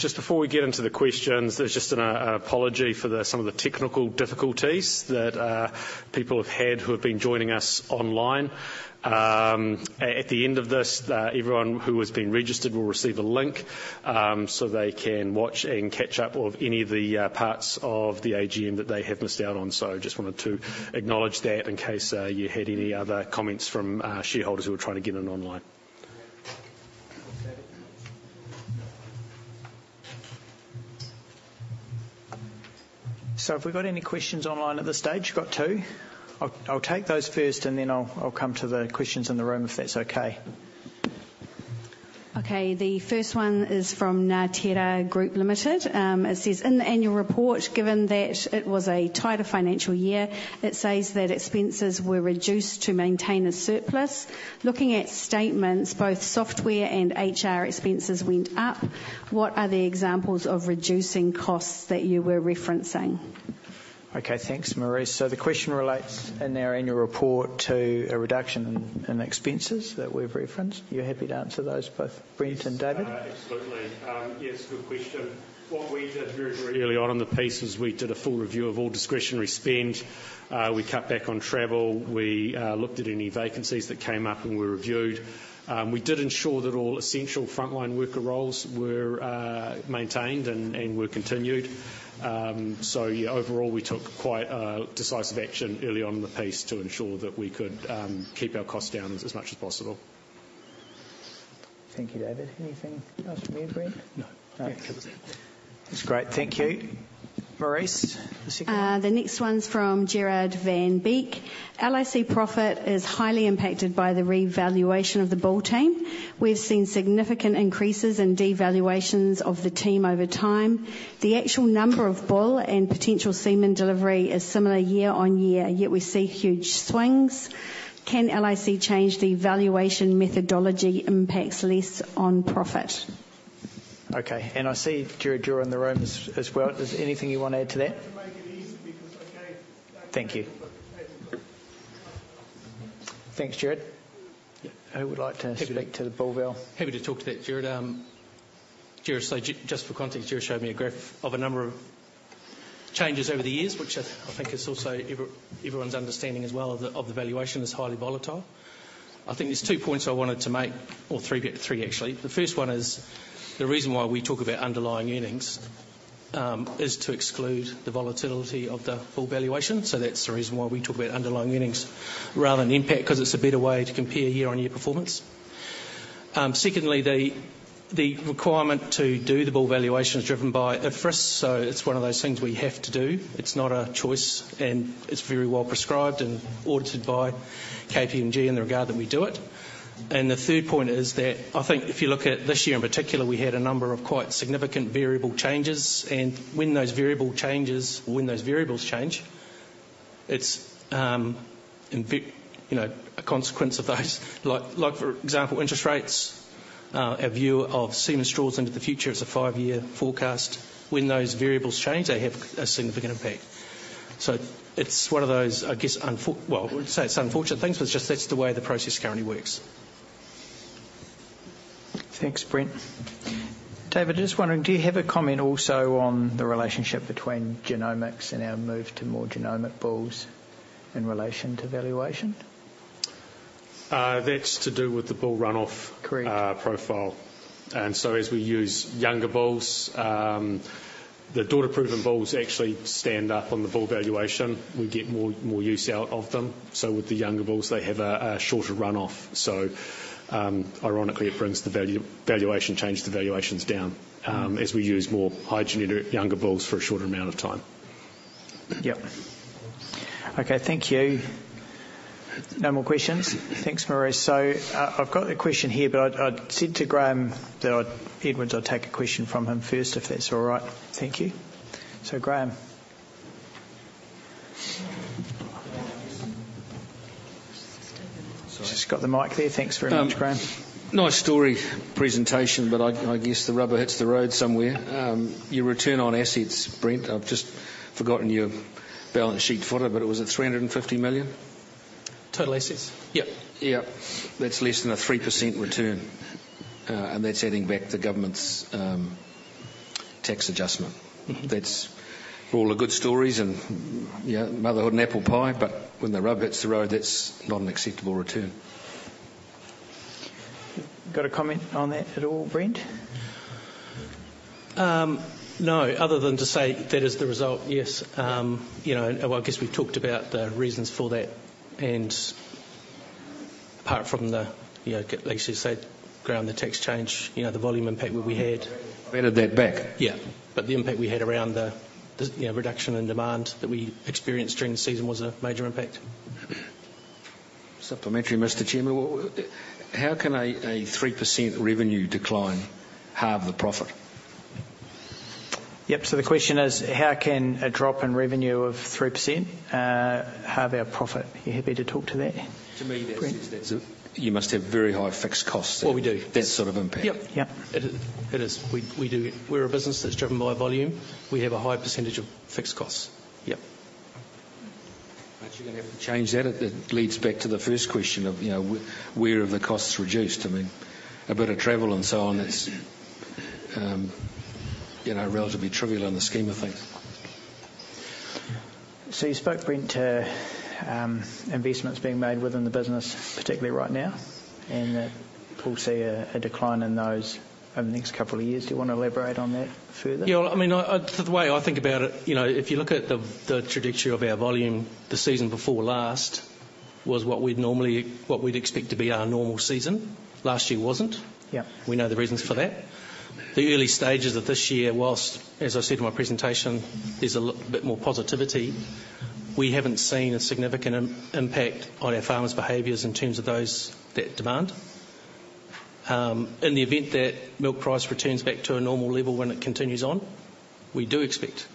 Just before we get into the questions, there's just an apology for some of the technical difficulties that people have had who have been joining us online. At the end of this, everyone who has been registered will receive a link so they can watch and catch up of any of the parts of the AGM that they have missed out on. So just wanted to acknowledge that in case you had any other comments from shareholders who were trying to get in online. So have we got any questions online at this stage? We've got two. I'll, I'll take those first, and then I'll, I'll come to the questions in the room, if that's okay. Okay, the first one is from Ngātere Group Limited. It says, "In the annual report, given that it was a tighter financial year, it says that expenses were reduced to maintain a surplus. Looking at statements, both software and HR expenses went up. What are the examples of reducing costs that you were referencing? Okay, thanks, Maurice. So the question relates in our annual report to a reduction in expenses that we've referenced. You're happy to answer those, both Brent and David? Absolutely. Yes, good question. What we did very, very early on in the piece is we did a full review of all discretionary spend. We cut back on travel. We looked at any vacancies that came up and were reviewed. We did ensure that all essential frontline worker roles were maintained and were continued. So yeah, overall, we took quite decisive action early on in the piece to ensure that we could keep our costs down as much as possible. Thank you, David. Anything else from you, Brent? No. All right. That was it. That's great. Thank you. Maurice, the second one. The next one's from Gerard van Beek. "LIC profit is highly impacted by the revaluation of the bull team. We've seen significant increases in devaluations of the team over time. The actual number of bull and potential semen delivery is similar year on year, yet we see huge swings. Can LIC change the valuation methodology impacts less on profit? Okay, and I see Gerard you're in the room as well. Is there anything you want to add to that? To make it easy, because I gave- Thank you. Thanks, Gerard. Yeah, who would like to speak to the bull value? Happy to talk to that, Gerard. Gerard, so just for context, Gerard showed me a graph of a number of changes over the years, which I, I think is also everyone's understanding as well of the valuation is highly volatile. I think there's two points I wanted to make, or three, actually. The first one is, the reason why we talk about underlying earnings, is to exclude the volatility of the bull valuation. So that's the reason why we talk about underlying earnings rather than impact, because it's a better way to compare year-on-year performance. Secondly, the requirement to do the bull valuation is driven by IFRS, so it's one of those things we have to do. It's not a choice, and it's very well prescribed and audited by KPMG in the regard that we do it. And the third point is that I think if you look at this year in particular, we had a number of quite significant variable changes, and when those variable changes, or when those variables change, it's, you know, a consequence of those. Like, for example, interest rates, our view of semen straws into the future as a five-year forecast. When those variables change, they have a significant impact. So it's one of those, I guess. Well, I wouldn't say it's unfortunate things, but it's just that's the way the process currently works. Thanks, Brent. David, just wondering, do you have a comment also on the relationship between genomics and our move to more genomic bulls in relation to valuation?... that's to do with the bull runoff- Correct. - profile. And so as we use younger bulls, the daughter proven bulls actually stand up on the bull valuation. We get more use out of them. So with the younger bulls, they have a shorter runoff. So, ironically, it brings the valuation change, the valuations down, as we use more high genetic, younger bulls for a shorter amount of time. Yep. Okay, thank you. No more questions? Thanks, Maurice. So, I've got a question here, but I'd said to Graham Edwards, I'll take a question from him first, if that's all right. Thank you. So, Graham. Just got the mic there. Thanks very much, Graham. Nice story presentation, but I guess the rubber hits the road somewhere. Your return on assets, Brent, I've just forgotten your balance sheet footer, but it was at 350 million? Total assets? Yep. Yep, that's less than a 3% return, and that's adding back the government's tax adjustment. Mm-hmm. That's all the good stories and, yeah, motherhood and apple pie, but when the rubber hits the road, that's not an acceptable return. Got a comment on that at all, Brent? No, other than to say that is the result, yes. You know, well, I guess we've talked about the reasons for that, and apart from the, you know, like you said, Graham, the tax change, you know, the volume impact where we had- I've added that back. Yeah, but the impact we had around the, you know, reduction in demand that we experienced during the season was a major impact. Supplementary, Mr. Chairman. How can a 3% revenue decline halve the profit? Yep. So the question is, how can a drop in revenue of 3%, halve our profit? You're happy to talk to that, Brent? To me, that's... You must have very high fixed costs- We do. That sort of impact. Yep. Yep. It is. We do. We're a business that's driven by volume. We have a high percentage of fixed costs. Yep. But you're going to have to change that, if that leads back to the first question of, you know, where are the costs reduced? I mean, a bit of travel and so on, that's, you know, relatively trivial in the scheme of things. So you spoke, Brent, investments being made within the business, particularly right now, and that we'll see a decline in those over the next couple of years. Do you want to elaborate on that further? Yeah, well, I mean, the way I think about it, you know, if you look at the trajectory of our volume, the season before last was what we'd normally, what we'd expect to be our normal season. Last year wasn't. Yep. We know the reasons for that. The early stages of this year, while, as I said in my presentation, there's a little bit more positivity, we haven't seen a significant impact on our farmers' behaviors in terms of those, that demand. In the event that milk price returns back to a normal level when it continues on, we do expect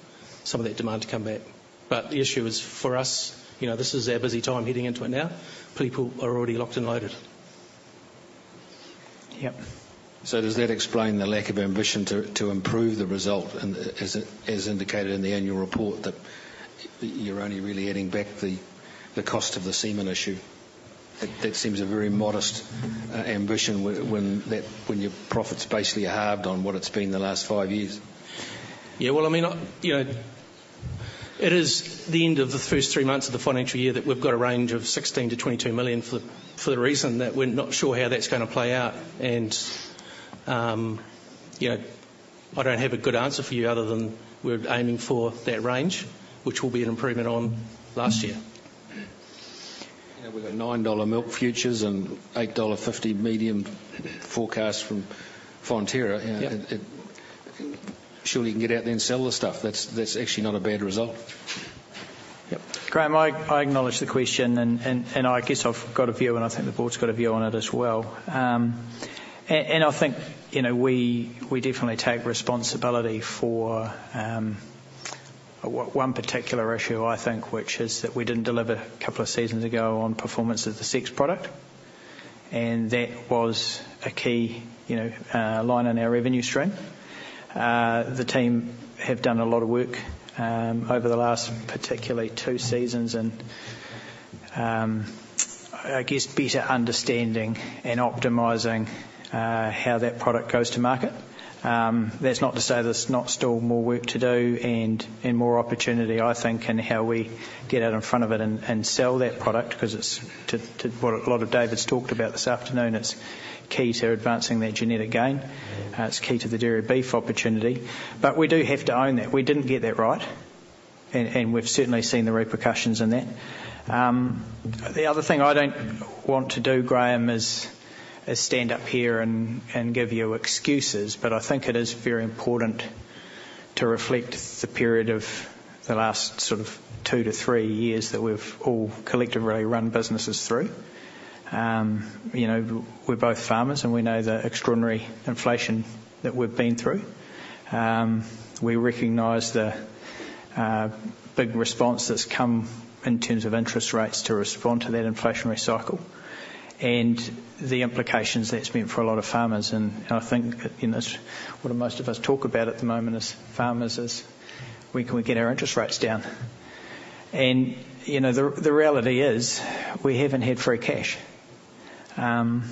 some of that demand to come back. But the issue is for us, you know, this is our busy time heading into it now. People are already locked and loaded. Yep. So does that explain the lack of ambition to improve the result? And as indicated in the annual report, that you're only really adding back the cost of the semen issue. That seems a very modest ambition when your profit's basically halved on what it's been the last five years. Yeah, well, I mean, you know, it is the end of the first three months of the financial year that we've got a range of 16-22 million, for the reason that we're not sure how that's going to play out. You know, I don't have a good answer for you other than we're aiming for that range, which will be an improvement on last year. Yeah, we've got 9 dollar milk futures and 8.50 dollar medium forecast from Fonterra. Yep. Surely you can get out there and sell the stuff. That's actually not a bad result. Yep. Graham, I acknowledge the question, and I guess I've got a view, and I think the board's got a view on it as well. And I think, you know, we definitely take responsibility for one particular issue, I think, which is that we didn't deliver a couple of seasons ago on performance of the sexed product, and that was a key, you know, line on our revenue stream. The team have done a lot of work over the last particularly two seasons and I guess, better understanding and optimizing how that product goes to market. That's not to say there's not still more work to do and more opportunity, I think, in how we get out in front of it and sell that product, 'cause it's to what a lot of David's talked about this afternoon, it's key to advancing that genetic gain. Mm-hmm. It's key to the dairy beef opportunity. But we do have to own that. We didn't get that right, and we've certainly seen the repercussions in that. The other thing I don't want to do, Graham, is stand up here and give you excuses, but I think it is very important to reflect the period of the last sort of two to three years that we've all collectively run businesses through. You know, we're both farmers, and we know the extraordinary inflation that we've been through. We recognize the big response that's come in terms of interest rates to respond to that inflationary cycle and the implications that's meant for a lot of farmers. I think, you know, what most of us talk about at the moment as farmers is, when can we get our interest rates down? And, you know, the reality is, we haven't had free cash. And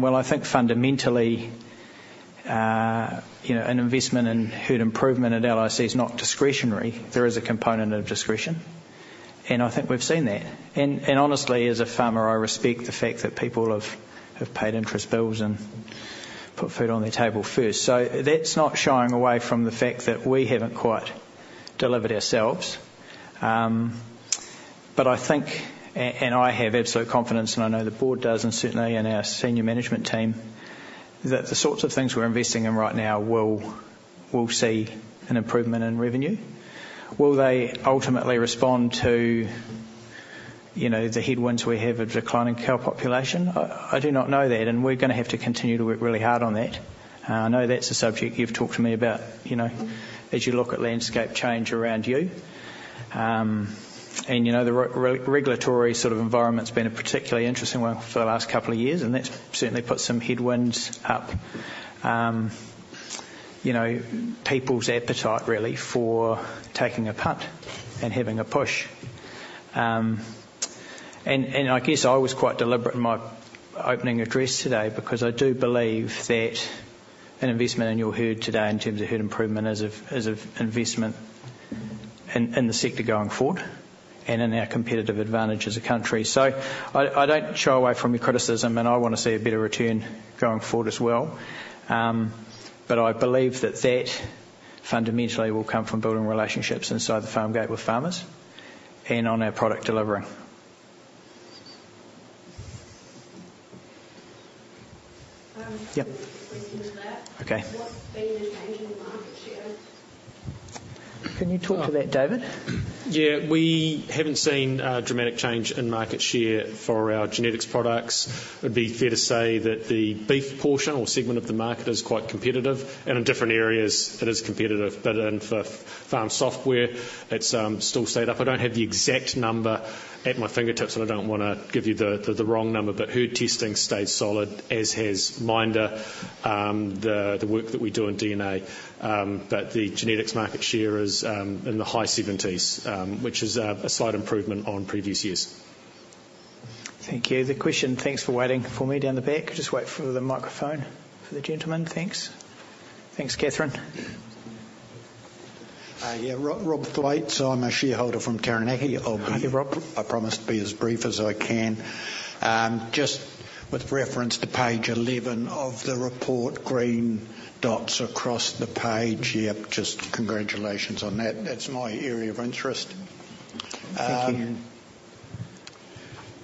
while I think fundamentally, you know, an investment in herd improvement at LIC is not discretionary. There is a component of discretion, and I think we've seen that. And honestly, as a farmer, I respect the fact that people have paid interest bills and put food on their table first. So that's not shying away from the fact that we haven't quite delivered ourselves. But I think, and I have absolute confidence, and I know the board does, and certainly in our senior management team, that the sorts of things we're investing in right now will see an improvement in revenue. Will they ultimately respond to, you know, the headwinds we have of declining cow population? I do not know that, and we're gonna have to continue to work really hard on that. I know that's a subject you've talked to me about, you know, as you look at landscape change around you. You know, the regulatory sort of environment's been a particularly interesting one for the last couple of years, and that's certainly put some headwinds up, you know, people's appetite, really, for taking a punt and having a push. I guess I was quite deliberate in my opening address today because I do believe that an investment in your herd today, in terms of herd improvement, is an investment in the sector going forward and in our competitive advantage as a country. I don't shy away from your criticism, and I want to see a better return going forward as well, but I believe that that fundamentally will come from building relationships inside the farm gate with farmers and on our product delivery. Yep. Question to that. Okay. What's been the change in the market share? Can you talk to that, David? Yeah, we haven't seen a dramatic change in market share for our genetics products. It'd be fair to say that the beef portion or segment of the market is quite competitive, and in different areas it is competitive. But in for farm software, it's still stayed up. I don't have the exact number at my fingertips, and I don't wanna give you the wrong number, but herd testing stayed solid, as has MINDA, the work that we do in DNA. But the genetics market share is in the high seventies, which is a slight improvement on previous years. Thank you. The question... Thanks for waiting for me down the back. Just wait for the microphone for the gentleman. Thanks. Thanks, Catherine. Yeah, Rob Dwight. I'm a shareholder from Taranaki. Hi, Rob. I promise to be as brief as I can. Just with reference to page eleven of the report, green dots across the page. Yep, just congratulations on that. That's my area of interest. Thank you.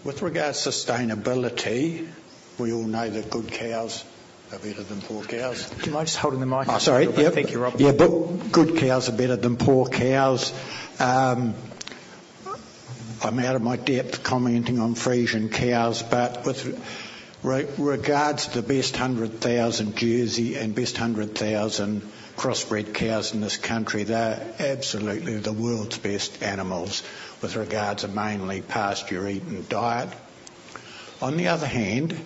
With regards to sustainability, we all know that good cows are better than poor cows. Do you mind just holding the mic? Oh, sorry. Thank you Rob. Yeah, but good cows are better than poor cows. I'm out of my depth commenting on Friesian cows, but with regards to the best 100,000 Jersey and best 100,000 crossbred cows in this country, they're absolutely the world's best animals with regards to mainly pasture eating diet. On the other hand,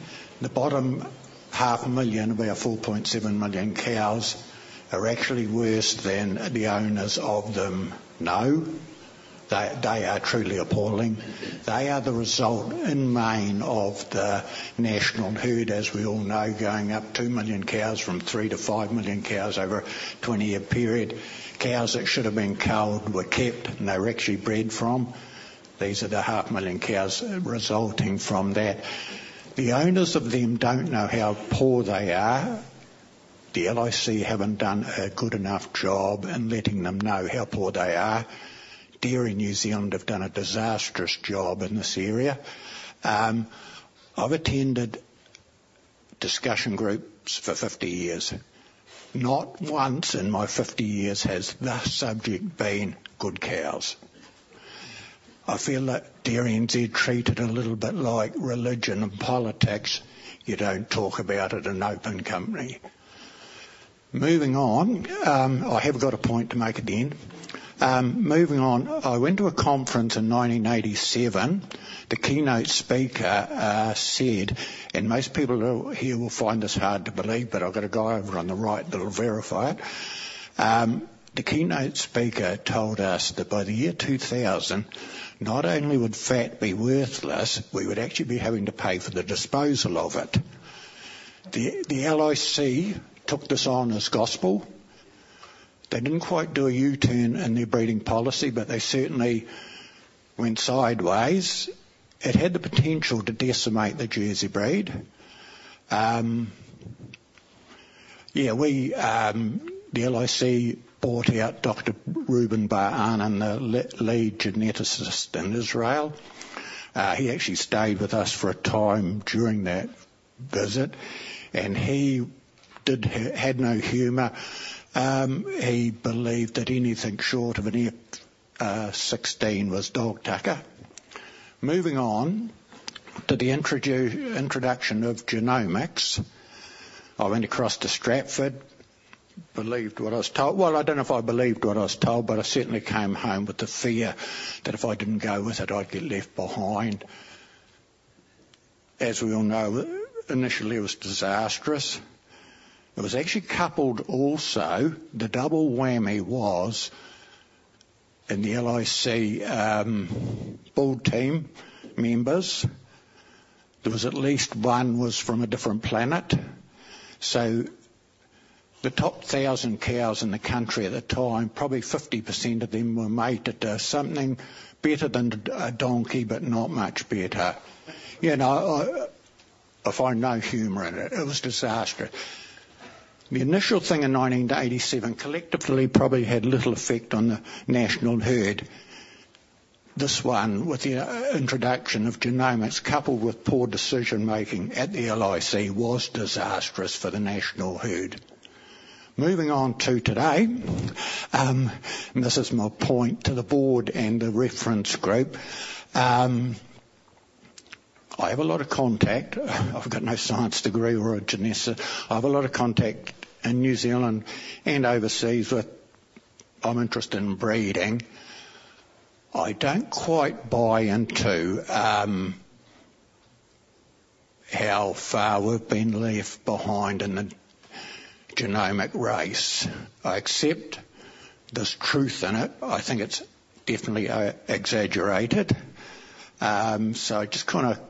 the bottom 500,000, we have 4.7 million cows, are actually worse than the owners of them know. They are truly appalling. They are the result, in main, of the national herd, as we all know, going up 2 million cows from 3 to 5 million cows over a 20-year period. Cows that should have been culled were kept, and they were actually bred from. These are the 500,000 cows resulting from that. The owners of them don't know how poor they are. The LIC haven't done a good enough job in letting them know how poor they are. DairyNZ have done a disastrous job in this area. I've attended discussion groups for fifty years. Not once in my fifty years has the subject been good cows. I feel that DairyNZ treat it a little bit like religion and politics. You don't talk about it in open company. Moving on, I have got a point to make at the end. Moving on, I went to a conference in nineteen eighty-seven. The keynote speaker said, and most people here will find this hard to believe, but I've got a guy over on the right that'll verify it. The keynote speaker told us that by the year two thousand, not only would fat be worthless, we would actually be having to pay for the disposal of it. The LIC took this on as gospel. They didn't quite do a U-turn in their breeding policy, but they certainly went sideways. It had the potential to decimate the Jersey breed. The LIC brought out Dr. Reuven Bar-Anan, the lead geneticist in Israel. He actually stayed with us for a time during that visit, and he had no humor. He believed that anything short of an E16 was dog tucker. Moving on to the introduction of genomics, I went across to Stratford, believed what I was told. Well, I don't know if I believed what I was told, but I certainly came home with the fear that if I didn't go with it, I'd get left behind. As we all know, initially, it was disastrous. It was actually coupled also, the double whammy was-... In the LIC bull team members, there was at least one was from a different planet. So the top thousand cows in the country at the time, probably 50% of them were mated to something better than a donkey, but not much better. You know, I find no humor in it. It was a disaster. The initial thing in nineteen to eighty-seven collectively, probably had little effect on the national herd. This one, with the introduction of genomics, coupled with poor decision making at the LIC, was disastrous for the national herd. Moving on to today, and this is my point to the board and the reference group, I have a lot of contact. I've got no science degree or a geneticist. I have a lot of contact in New Zealand and overseas with, I'm interested in breeding. I don't quite buy into how far we've been left behind in the genomic race. I accept there's truth in it. I think it's definitely exaggerated. So just kinda-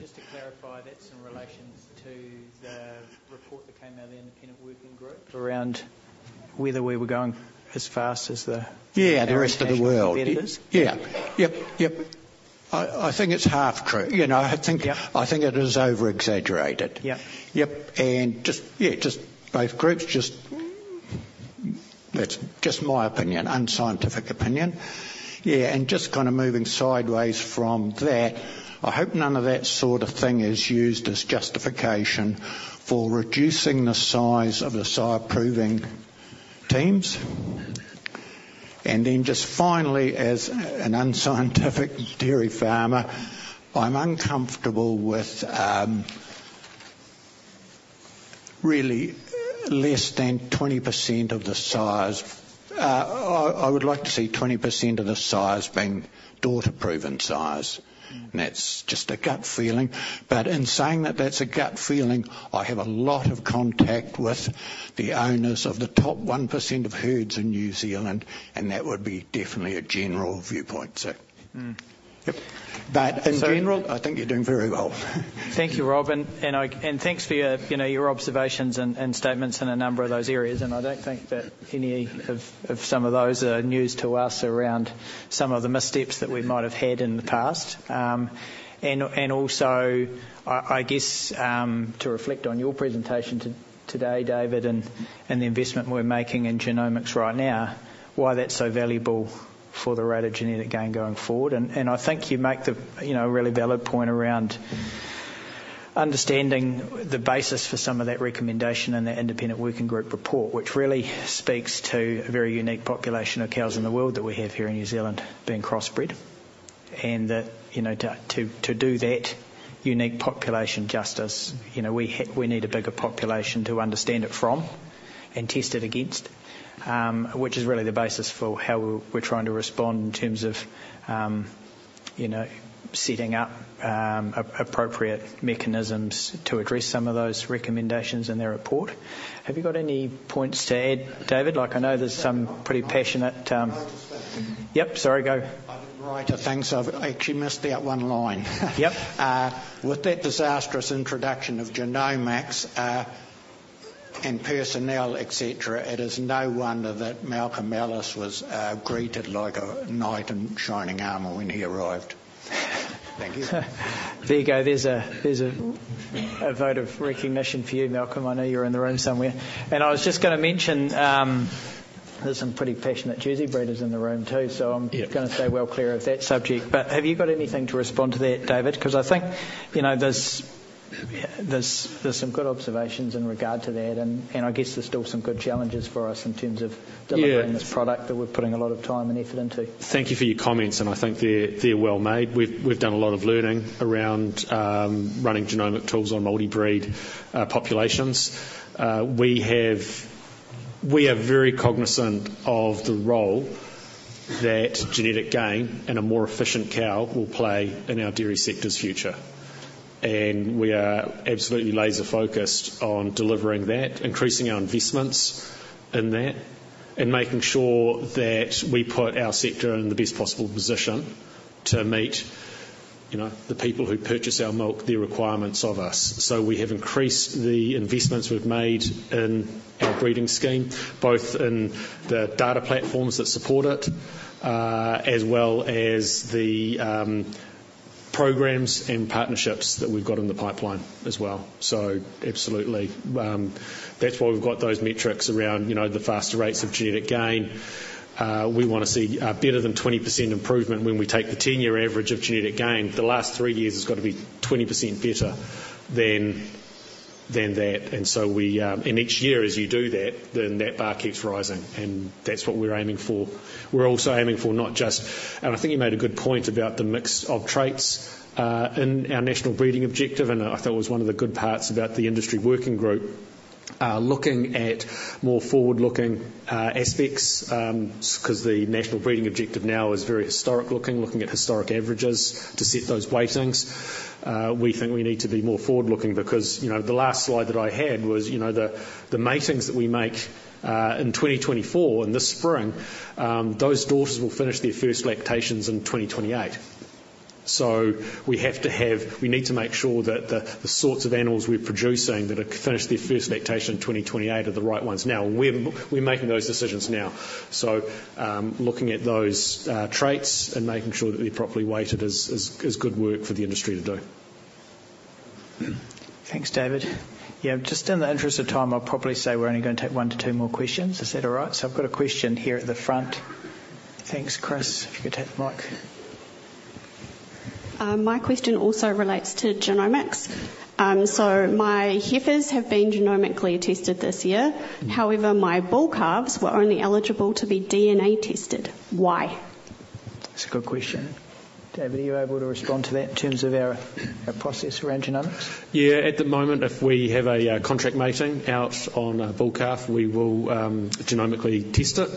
Just to clarify, that's in relation to the report that came out of the independent working group around whether we were going as fast as the- Yeah, the rest of the world. -competitors? Yeah. Yep, yep. I think it's half true. You know, I think- Yeah. I think it is over-exaggerated. Yeah. Yep, and just, yeah, just both groups, just... That's just my opinion, unscientific opinion. Yeah, and just kind of moving sideways from that, I hope none of that sort of thing is used as justification for reducing the size of the sire-proving teams. And then, just finally, as an unscientific dairy farmer, I'm uncomfortable with really less than 20% of the size. I would like to see 20% of the size being daughter proven sires, and that's just a gut feeling. But in saying that that's a gut feeling, I have a lot of contact with the owners of the top 1% of herds in New Zealand, and that would be definitely a general viewpoint, so. Mm. Yep. But in general, I think you're doing very well. Thank you, Rob, and thanks for your, you know, your observations and statements in a number of those areas, and I don't think that any of some of those are news to us around some of the missteps that we might have had in the past. And also, I guess, to reflect on your presentation today, David, and the investment we're making in genomics right now, why that's so valuable for the rate of genetic gain going forward, and I think you make the, you know, really valid point around understanding the basis for some of that recommendation and that independent working group report, which really speaks to a very unique population of cows in the world that we have here in New Zealand being cross-bred. And that, you know, to do that unique population justice, you know, we need a bigger population to understand it from and test it against, which is really the basis for how we're trying to respond in terms of, you know, setting up appropriate mechanisms to address some of those recommendations in their report. Have you got any points to add, David? Like, I know there's some pretty passionate, Can I just add? Yep, sorry, go. I did write a thing, so I've actually missed out one line. Yep. With that disastrous introduction of genomics, and personnel, et cetera, it is no wonder that Malcolm Ellis was greeted like a knight in shining armor when he arrived. Thank you. There you go. There's a vote of recognition for you, Malcolm. I know you're in the room somewhere. And I was just gonna mention, there's some pretty passionate Jersey breeders in the room, too, so- Yeah... I'm gonna stay well clear of that subject. But have you got anything to respond to that, David? Because I think, you know, there's some good observations in regard to that, and I guess there's still some good challenges for us in terms of- Yeah... delivering this product that we're putting a lot of time and effort into. Thank you for your comments, and I think they're well made. We've done a lot of learning around running genomic tools on multi-breed populations. We are very cognizant of the role that genetic gain and a more efficient cow will play in our dairy sector's future. And we are absolutely laser-focused on delivering that, increasing our investments in that, and making sure that we put our sector in the best possible position to meet, you know, the people who purchase our milk, their requirements of us. So we have increased the investments we've made in our breeding scheme, both in the data platforms that support it, as well as the programs and partnerships that we've got in the pipeline as well. So absolutely, that's why we've got those metrics around, you know, the faster rates of genetic gain. We wanna see better than 20% improvement when we take the 10-year average of genetic gain. The last three years has got to be 20% better than that, and each year, as you do that, then that bar keeps rising, and that's what we're aiming for. We're also aiming for not just... I think you made a good point about the mix of traits in our national breeding objective, and I thought it was one of the good parts about the industry working group looking at more forward-looking aspects, 'cause the national breeding objective now is very historic-looking, looking at historic averages to set those weightings. We think we need to be more forward-looking, because, you know, the last slide that I had was, you know, the matings that we make in 2024, in this spring, those daughters will finish their first lactations in 2028. So we have to have we need to make sure that the sorts of animals we're producing that are finished their first lactation in 2028 are the right ones. Now, we're making those decisions now. So, looking at those traits and making sure that they're properly weighted is good work for the industry to do. Thanks, David. Yeah, just in the interest of time, I'll probably say we're only going to take one to two more questions. Is that all right? So I've got a question here at the front. Thanks, Chris. If you could take the mic. My question also relates to genomics, so my heifers have been genomically tested this year. Mm-hmm. However, my bull calves were only eligible to be DNA tested. Why? That's a good question. David, are you able to respond to that in terms of our process around genomics? Yeah. At the moment, if we have a contract mating out on a bull calf, we will genomically test it.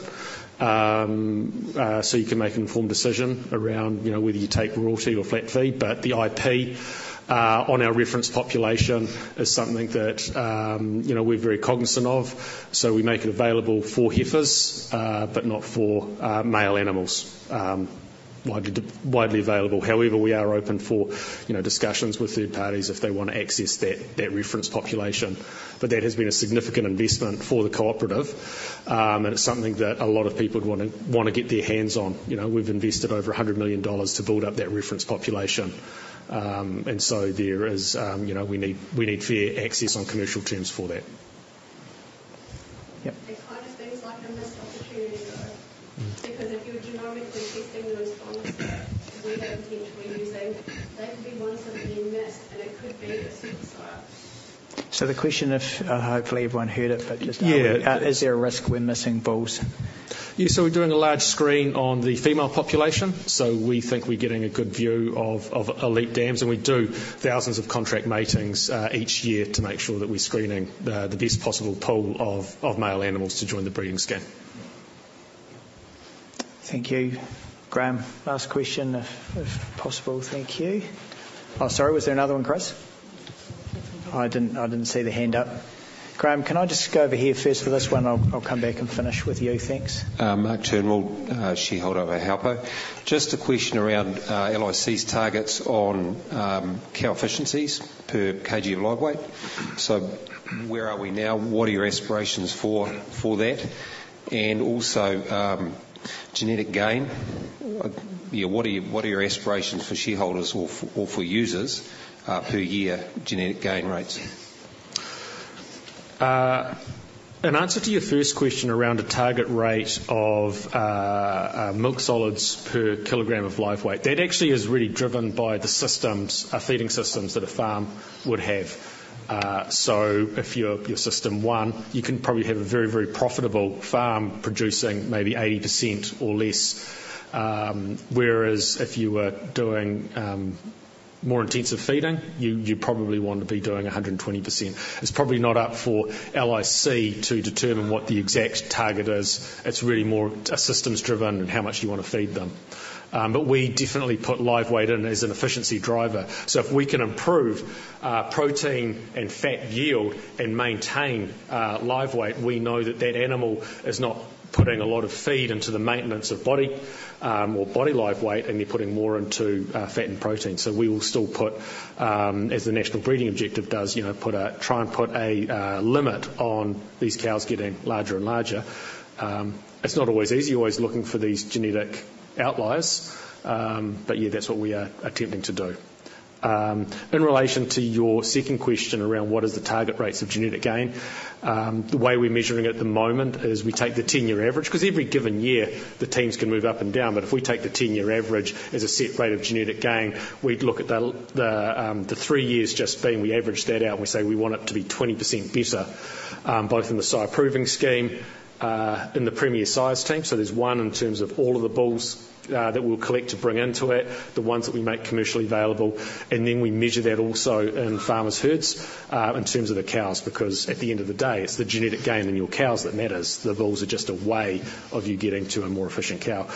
So you can make an informed decision around, you know, whether you take royalty or flat fee. But the IP on our reference population is something that, you know, we're very cognizant of, so we make it available for heifers, but not for male animals widely available. However, we are open for, you know, discussions with third parties if they want to access that reference population. But that has been a significant investment for the cooperative, and it's something that a lot of people would wanna get their hands on. You know, we've invested over 100 million dollars to build up that reference population. And so there is, you know, we need fair access on commercial terms for that. Yep. It kind of seems like a missed opportunity, though. Mm. Because if you're genomically testing those bulls that we are potentially using, they would be ones that are being missed, and it could be a sire. So the question is, hopefully everyone heard it, but just- Yeah. Is there a risk when missing bulls? Yeah, so we're doing a large screen on the female population, so we think we're getting a good view of elite dams, and we do thousands of contract matings each year to make sure that we're screening the best possible pool of male animals to join the breeding scheme. Thank you. Graham, last question, if possible. Thank you. Oh, sorry, was there another one, Chris? I didn't see the hand up. Graham, can I just go over here first for this one? I'll come back and finish with you. Thanks. Mark Turnbull, shareholder of Ohaupo. Just a question around LIC's targets on cow efficiencies per kg of live weight. So where are we now? What are your aspirations for that? And also, genetic gain. Yeah, what are your aspirations for shareholders or for users, per year genetic gain rates? In answer to your first question around the target rate of milksolids per kilogram of live weight, that actually is really driven by the systems feeding systems that a farm would have, so if you're System 1, you can probably have a very, very profitable farm producing maybe 80% or less, whereas if you were doing more intensive feeding, you probably want to be doing 120%. It's probably not up for LIC to determine what the exact target is. It's really more systems driven and how much you want to feed them, but we definitely put live weight in as an efficiency driver. So if we can improve protein and fat yield and maintain live weight, we know that that animal is not putting a lot of feed into the maintenance of body or body live weight, and they're putting more into fat and protein. So we will still put, as the national breeding objective does, you know, put a try and put a limit on these cows getting larger and larger. It's not always easy, always looking for these genetic outliers, but yeah, that's what we are attempting to do. In relation to your second question around what is the target rates of genetic gain, the way we're measuring at the moment is we take the ten-year average, because every given year, the gains can move up and down. But if we take the ten-year average as a set rate of genetic gain, we'd look at the three years just being. We average that out, and we say we want it to be 20% better, both in the Sire Proving Scheme, in the Premier Sires team. So there's one in terms of all of the bulls that we'll collect to bring into it, the ones that we make commercially available, and then we measure that also in farmers' herds, in terms of the cows, because at the end of the day, it's the genetic gain in your cows that matters. The bulls are just a way of you getting to a more efficient cow.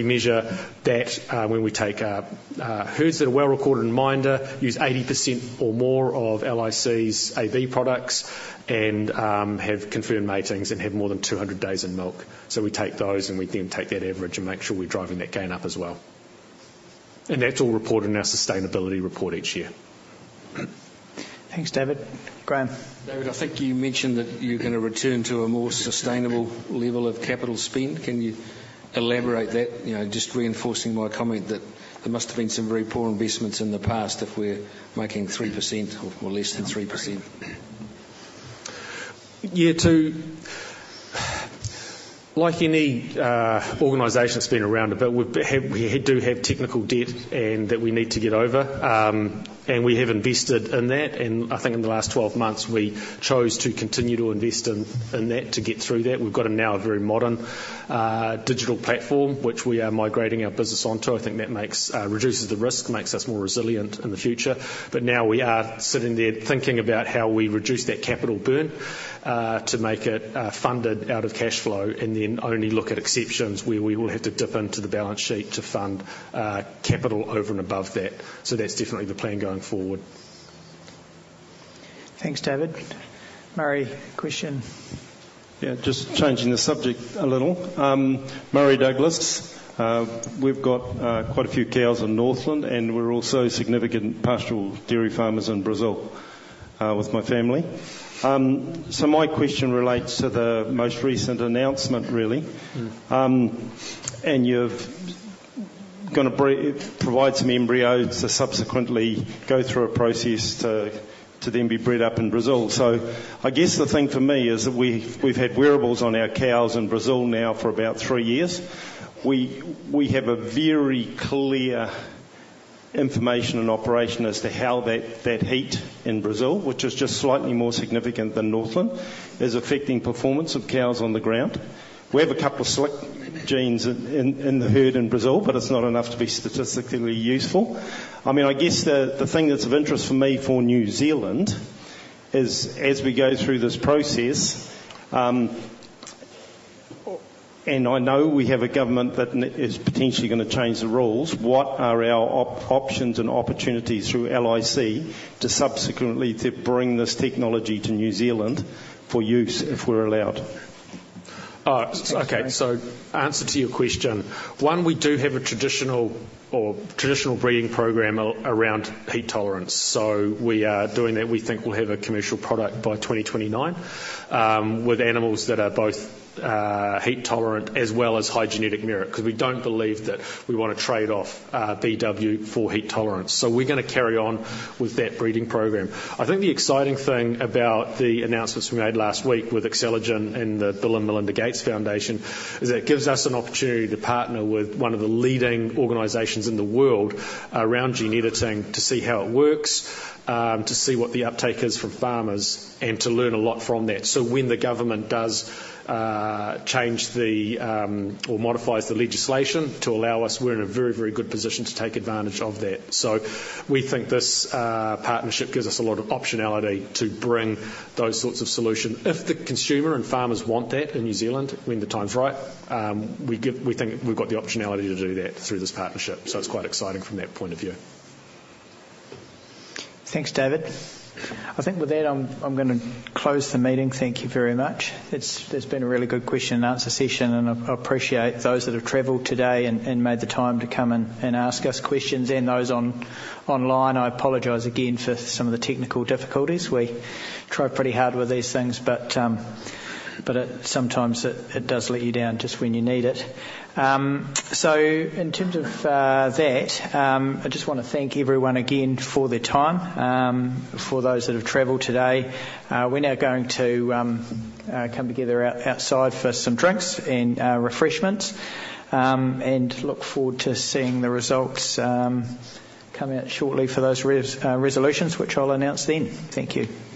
We measure that, when we take herds that are well-recorded in MINDA, use 80% or more of LIC's AB products, and have confirmed matings and have more than 200 days in milk. We take those, and we then take that average and make sure we're driving that gain up as well. That's all reported in our sustainability report each year. Thanks, David. Graham. David, I think you mentioned that you're gonna return to a more sustainable level of capital spend. Can you elaborate that? You know, just reinforcing my comment that there must have been some very poor investments in the past if we're making 3% or less than 3%. Yeah, like any organization that's been around a bit, we do have technical debt, and that we need to get over. And we have invested in that, and I think in the last twelve months, we chose to continue to invest in that, to get through that. We've got now a very modern digital platform, which we are migrating our business onto. I think that makes reduces the risk, makes us more resilient in the future. But now we are sitting there thinking about how we reduce that capital burn to make it funded out of cash flow, and then only look at exceptions where we will have to dip into the balance sheet to fund capital over and above that. So that's definitely the plan going forward. Thanks, David. Murray, question? Yeah, just changing the subject a little. Murray Douglas. We've got quite a few cows in Northland, and we're also significant pastoral dairy farmers in Brazil with my family. So my question relates to the most recent announcement, really. Mm-hmm. And you're gonna provide some embryos to subsequently go through a process to then be bred up in Brazil. So I guess the thing for me is that we've had wearables on our cows in Brazil now for about three years. We have a very clear information and operation as to how that heat in Brazil, which is just slightly more significant than Northland, is affecting performance of cows on the ground. We have a couple of slick genes in the herd in Brazil, but it's not enough to be statistically useful. I mean, I guess the thing that's of interest for me for New Zealand is, as we go through this process, and I know we have a government that is potentially gonna change the rules, what are our options and opportunities through LIC to subsequently to bring this technology to New Zealand for use, if we're allowed? Okay. Answer to your question: One, we do have a traditional breeding program around heat tolerance, so we are doing that. We think we'll have a commercial product by 2029, with animals that are both heat tolerant as well as high genetic merit, 'cause we don't believe that we wanna trade off BW for heat tolerance. So we're gonna carry on with that breeding program. I think the exciting thing about the announcements we made last week with Acceligen and the Bill and Melinda Gates Foundation is it gives us an opportunity to partner with one of the leading organizations in the world around gene editing, to see how it works, to see what the uptake is from farmers, and to learn a lot from that. So when the government does change the or modifies the legislation to allow us, we're in a very, very good position to take advantage of that. So we think this partnership gives us a lot of optionality to bring those sorts of solution. If the consumer and farmers want that in New Zealand, when the time's right, we think we've got the optionality to do that through this partnership, so it's quite exciting from that point of view. Thanks, David. I think with that, I'm gonna close the meeting. Thank you very much. It's been a really good question and answer session, and I appreciate those that have traveled today and made the time to come and ask us questions, and those online. I apologize again for some of the technical difficulties. We try pretty hard with these things, but it sometimes does let you down just when you need it. So in terms of that, I just wanna thank everyone again for their time. For those that have traveled today, we're now going to come together outside for some drinks and refreshments, and look forward to seeing the results come out shortly for those resolutions, which I'll announce then. Thank you.